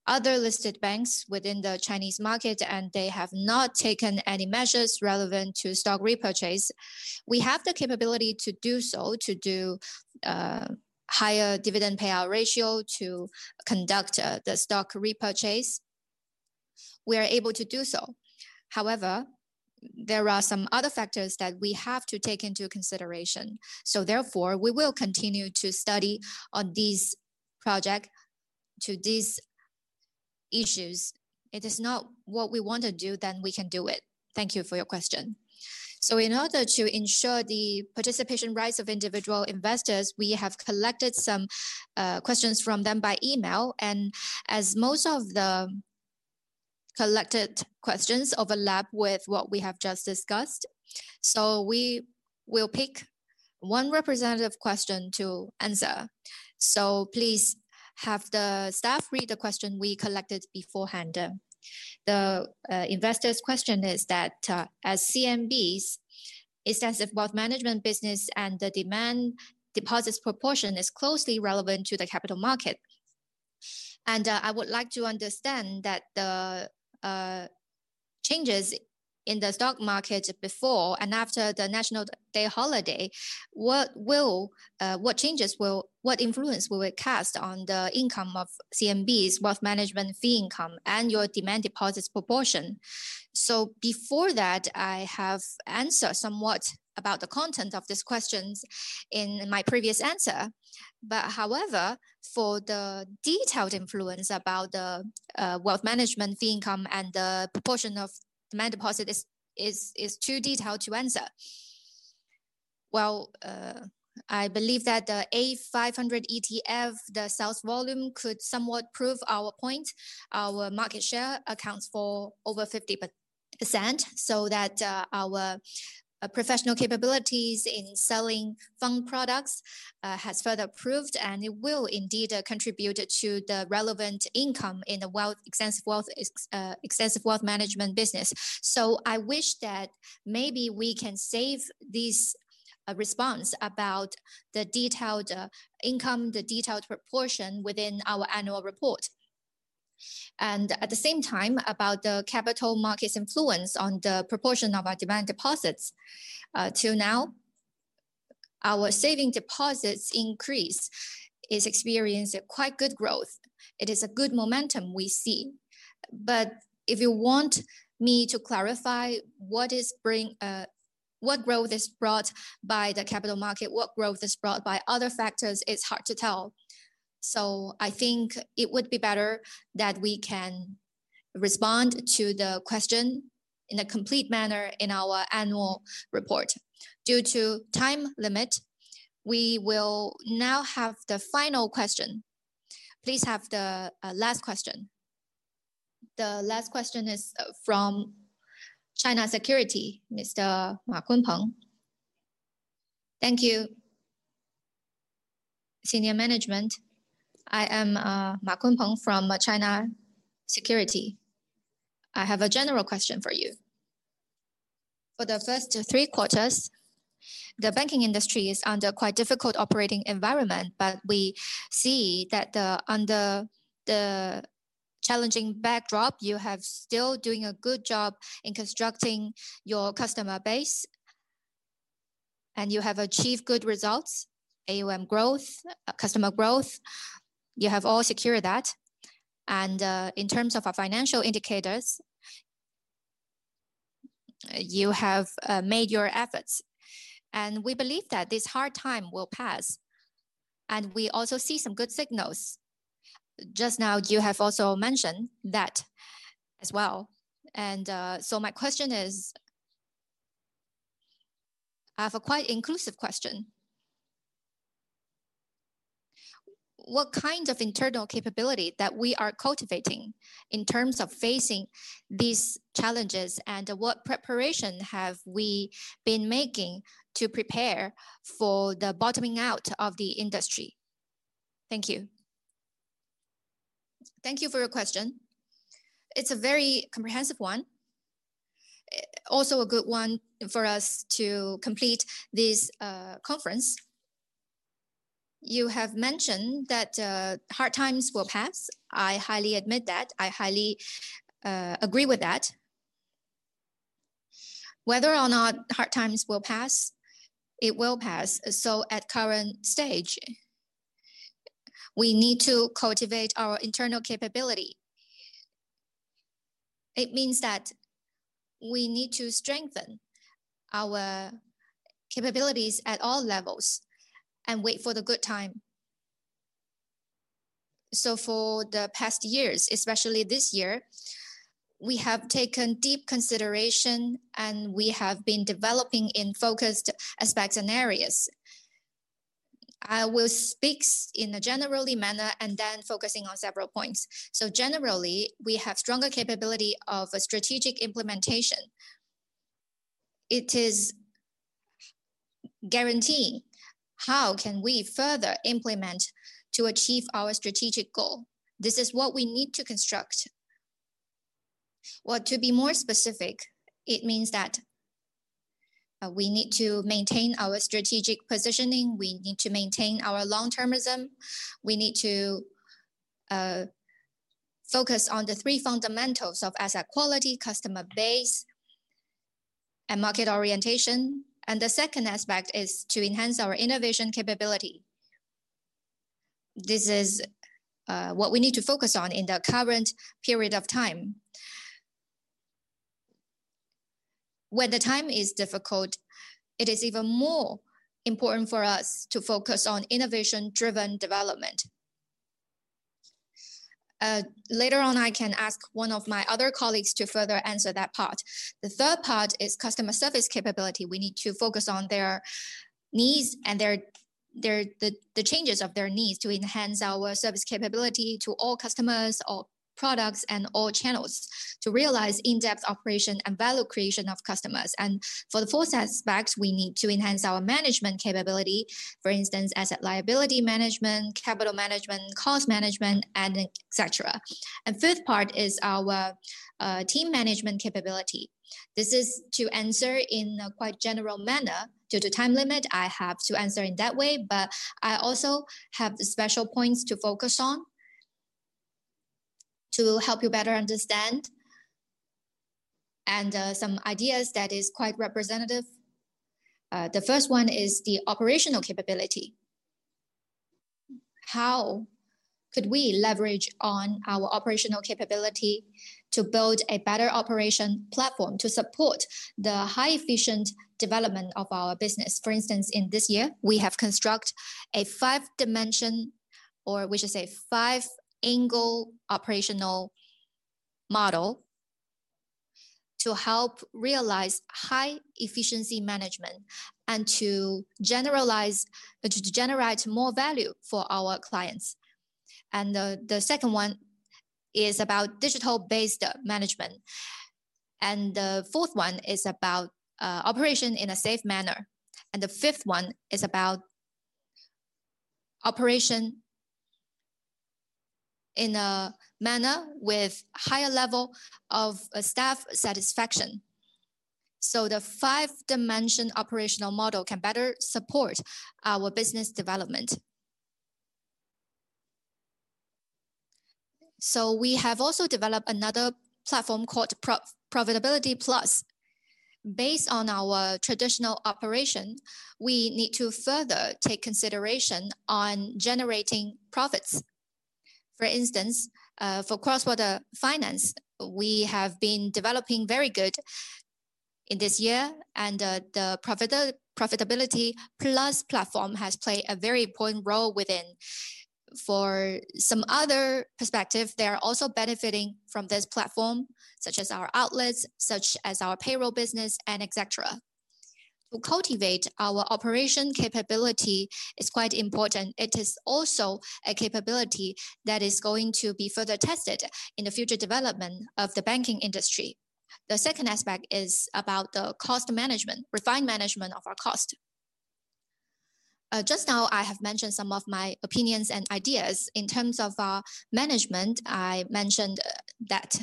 other listed banks within the Chinese market, and they have not taken any measures relevant to stock repurchase. We have the capability to do so, to do a higher dividend payout ratio, to conduct the stock repurchase. We are able to do so. However, there are some other factors that we have to take into consideration. So therefore, we will continue to study on this project to these issues. It is not what we want to do, then we can do it. Thank you for your question. So in order to ensure the participation rights of individual investors, we have collected some questions from them by email. And as most of the collected questions overlap with what we have just discussed, so we will pick one representative question to answer. So please have the staff read the question we collected beforehand. The investor's question is that as CMB's extensive wealth management business and the demand deposits proportion is closely relevant to the capital market. I would like to understand that the changes in the stock market before and after the National Day holiday, what changes, what influence will it cast on the income of CMB's, wealth management fee income, and your demand deposits proportion? Before that, I have answered somewhat about the content of these questions in my previous answer. However, for the detailed influence about the wealth management fee income and the proportion of demand deposit is too detailed to answer. I believe that the A500 ETF, the sales volume, could somewhat prove our point. Our market share accounts for over 50%, so that our professional capabilities in selling fund products have further proved, and it will indeed contribute to the relevant income in the extensive wealth management business. So I wish that maybe we can save this response about the detailed income, the detailed proportion within our annual report. And at the same time, about the capital markets' influence on the proportion of our demand deposits. Up to now, our savings deposits increase has experienced quite good growth. It is a good momentum we see. But if you want me to clarify what growth is brought by the capital market, what growth is brought by other factors, it's hard to tell. So I think it would be better that we can respond to the question in a complete manner in our annual report. Due to time limit, we will now have the final question. Please have the last question. The last question is from China Securities, Mr. Ma Kunpeng. Thank you. Senior management, I am Ma Kunpeng from China Securities. I have a general question for you. For the first three quarters, the banking industry is under quite a difficult operating environment, but we see that under the challenging backdrop, you have still been doing a good job in constructing your customer base, and you have achieved good results, AUM growth, customer growth. You have all secured that. And in terms of our financial indicators, you have made your efforts. And we believe that this hard time will pass. And we also see some good signals. Just now, you have also mentioned that as well. And so my question is, I have a quite inclusive question. What kind of internal capability that we are cultivating in terms of facing these challenges? and what preparation have we been making to prepare for the bottoming out of the industry? Thank you. Thank you for your question. It's a very comprehensive one. Also a good one for us to complete this conference. You have mentioned that hard times will pass. I highly admit that i highly agree with that. Whether or not hard times will pass, it will pass so at the current stage, we need to cultivate our internal capability. It means that we need to strengthen our capabilities at all levels and wait for the good time. So for the past years, especially this year, we have taken deep consideration, and we have been developing in focused aspects and areas. I will speak in a general manner and then focus on several points. So generally, we have stronger capability of strategic implementation. It is guaranteeing how can we further implement to achieve our strategic goal. This is what we need to construct. Well, to be more specific, it means that we need to maintain our strategic positioning we need to maintain our long-termism. We need to focus on the three fundamentals of asset quality, customer base, and market orientation. And the second aspect is to enhance our innovation capability. This is what we need to focus on in the current period of time. When the time is difficult, it is even more important for us to focus on innovation-driven development. Later on, I can ask one of my other colleagues to further answer that part. The third part is customer service capability we need to focus on their needs and the changes of their needs to enhance our service capability to all customers, all products, and all channels to realize in-depth operation and value creation of customers. And for the fourth aspect, we need to enhance our management capability, for instance, asset liability management, capital management, cost management, and etc. The fifth part is our team management capability. This is to answer in a quite general manner due to time limit. I have to answer in that way, but I also have special points to focus on to help you better understand and some ideas that are quite representative. The first one is the operational capability. How? could we leverage on our operational capability to build a better operation platform to support the high-efficiency development of our business, For instance, in this year, we have constructed a five-dimensional, or we should say five-angle operational model to help realize high-efficiency management and to generalize to generate more value for our clients. The second one is about digital-based management. The fourth one is about operation in a safe manner. The fifth one is about operation in a manner with a higher level of staff satisfaction. The five-dimensional operational model can better support our business development. We have also developed another platform called Profitability Plus. Based on our traditional operation, we need to further take consideration on generating profits. For instance, for cross-border finance, we have been developing very good in this year, and the Profitability Plus platform has played a very important role within. For some other perspective, they are also benefiting from this platform, such as our outlets, such as our payroll business, and etc. To cultivate our operation capability is quite important it is also a capability that is going to be further tested in the future development of the banking industry. The second aspect is about the cost management, refined management of our cost. Just now, I have mentioned some of my opinions and ideas. In terms of our management, I mentioned that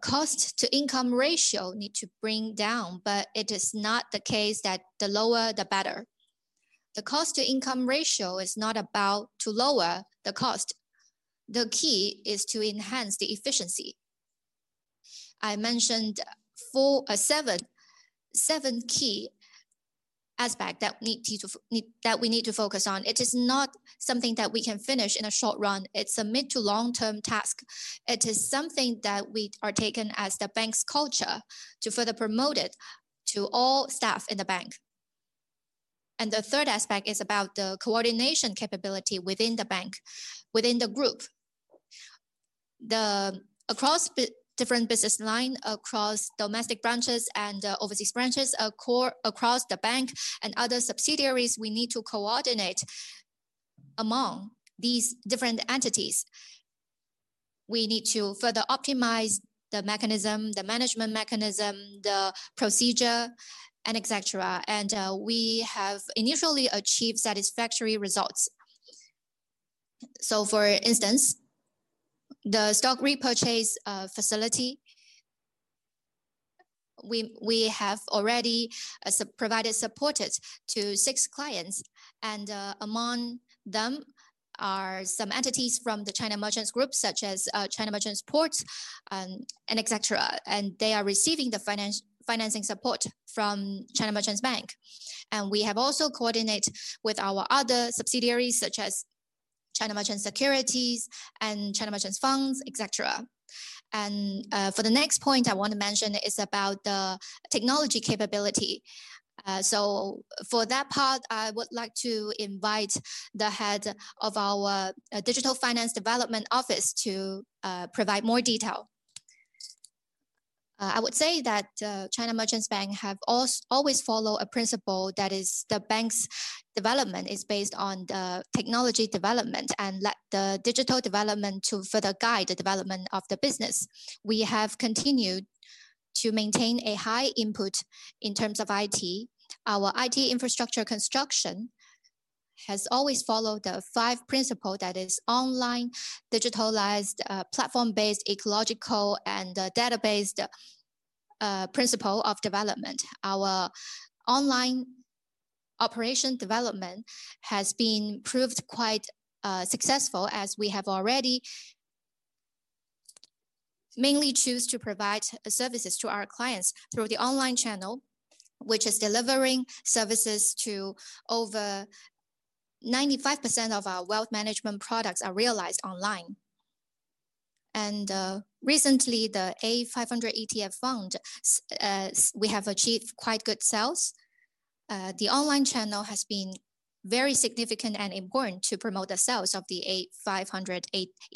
cost-to-income ratio needs to be brought down, but it is not the case that the lower, the better. The cost-to-income ratio is not about lowering the cost. The key is to enhance the efficiency. I mentioned seven key aspects that we need to focus on it is not something that we can finish in the short run. It's a mid-to-long-term task. It is something that we are taking as the bank's culture to further promote it to all staff in the bank. And the third aspect is about the coordination capability within the bank, within the group. Across different business lines, across domestic branches and overseas branches, across the bank and other subsidiaries, we need to coordinate among these different entities. We need to further optimize the mechanism, the management mechanism, the procedure, and etc. And we have initially achieved satisfactory results. For instance, the stock repurchase facility, we have already provided support to six clients, and among them are some entities from the China Merchants Group, such as China Merchants Ports and etc they are receiving the financing support from China Merchants Bank. We have also coordinated with our other subsidiaries, such as China Merchants Securities and China Merchants Funds, etc. For the next point I want to mention, it's about the technology capability. For that part, I would like to invite the head of our Digital Finance Development Office to provide more detail. China Merchants Bank has always followed a principle that is the bank's development is based on the technology development and let the digital development to further guide the development of the business. We have continued to maintain a high input in terms of IT. Our IT infrastructure construction has always followed the five principles, that is, online, digitalized, platform-based, ecological, and data-based principle of development. Our online operation development has been proved quite successful as we have already mainly chosen to provide services to our clients through the online channel, which is delivering services to over 95% of our wealth management products are realized online. And recently, the A500 ETF, we have achieved quite good sales. The online channel has been very significant and important to promote the sales of the A500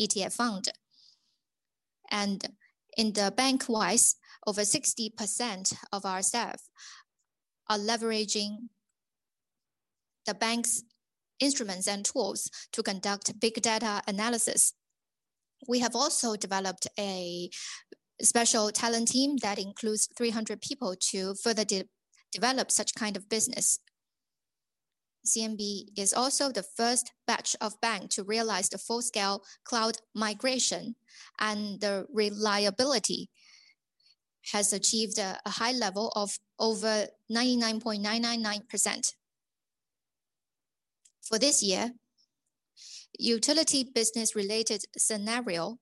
ETF, and in the bank-wide, over 60% of our staff are leveraging the bank's instruments and tools to conduct big data analysis. We have also developed a special talent team that includes 300 people to further develop such kind of business. CMB is also the first batch of banks to realize the full-scale cloud migration, and the reliability has achieved a high level of over 99.999%. For this year, utility business-related scenarios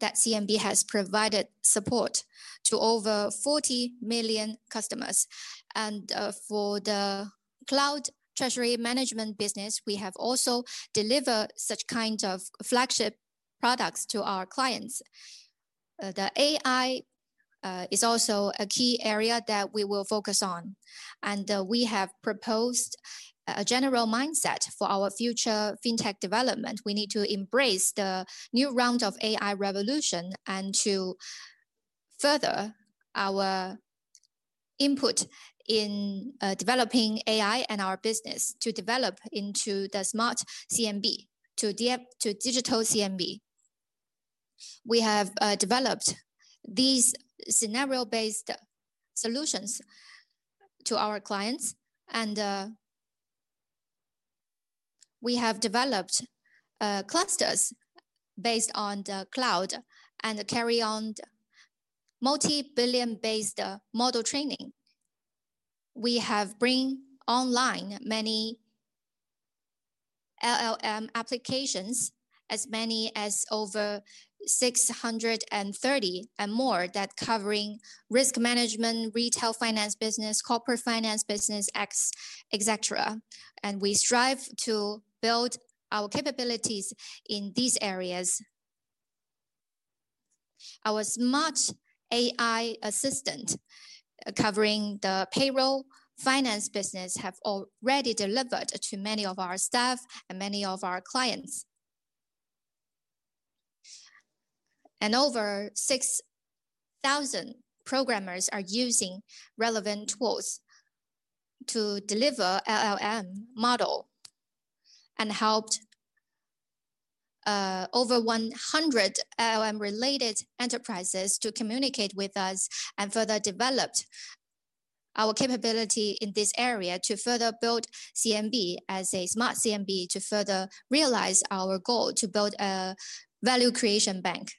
that CMB has provided support to over 40 million customers. And for the Cloud Treasury management business, we have also delivered such kinds of flagship products to our clients. The AI is also a key area that we will focus on. And we have proposed a general mindset for our future fintech development we need to embrace the new round of AI revolution and to further our input in developing AI and our business to develop into the Smart CMB, to Digital CMB. We have developed these scenario-based solutions to our clients, and we have developed clusters based on the cloud and carry on multi-billion-based model training. We have brought online many LLM applications, as many as over 630 and more that cover risk management, retail finance business, corporate finance business, etc. And we strive to build our capabilities in these areas. Our smart AI assistant covering the payroll finance business has already delivered to many of our staff and many of our clients. And over 6,000 programmers are using relevant tools to deliver LLM models and helped over 100 LLM-related enterprises to communicate with us and further developed our capability in this area to further build CMB as a smart CMB to further realize our goal to build a value creation bank.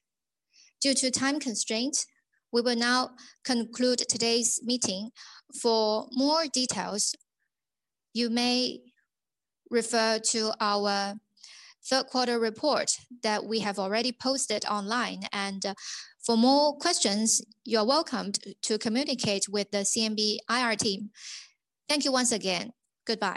Due to time constraints, we will now conclude today's meeting. For more details, you may refer to our third-quarter report that we have already posted online. And for more questions, you are welcome to communicate with the CMB IR team. Thank you once again. Goodbye.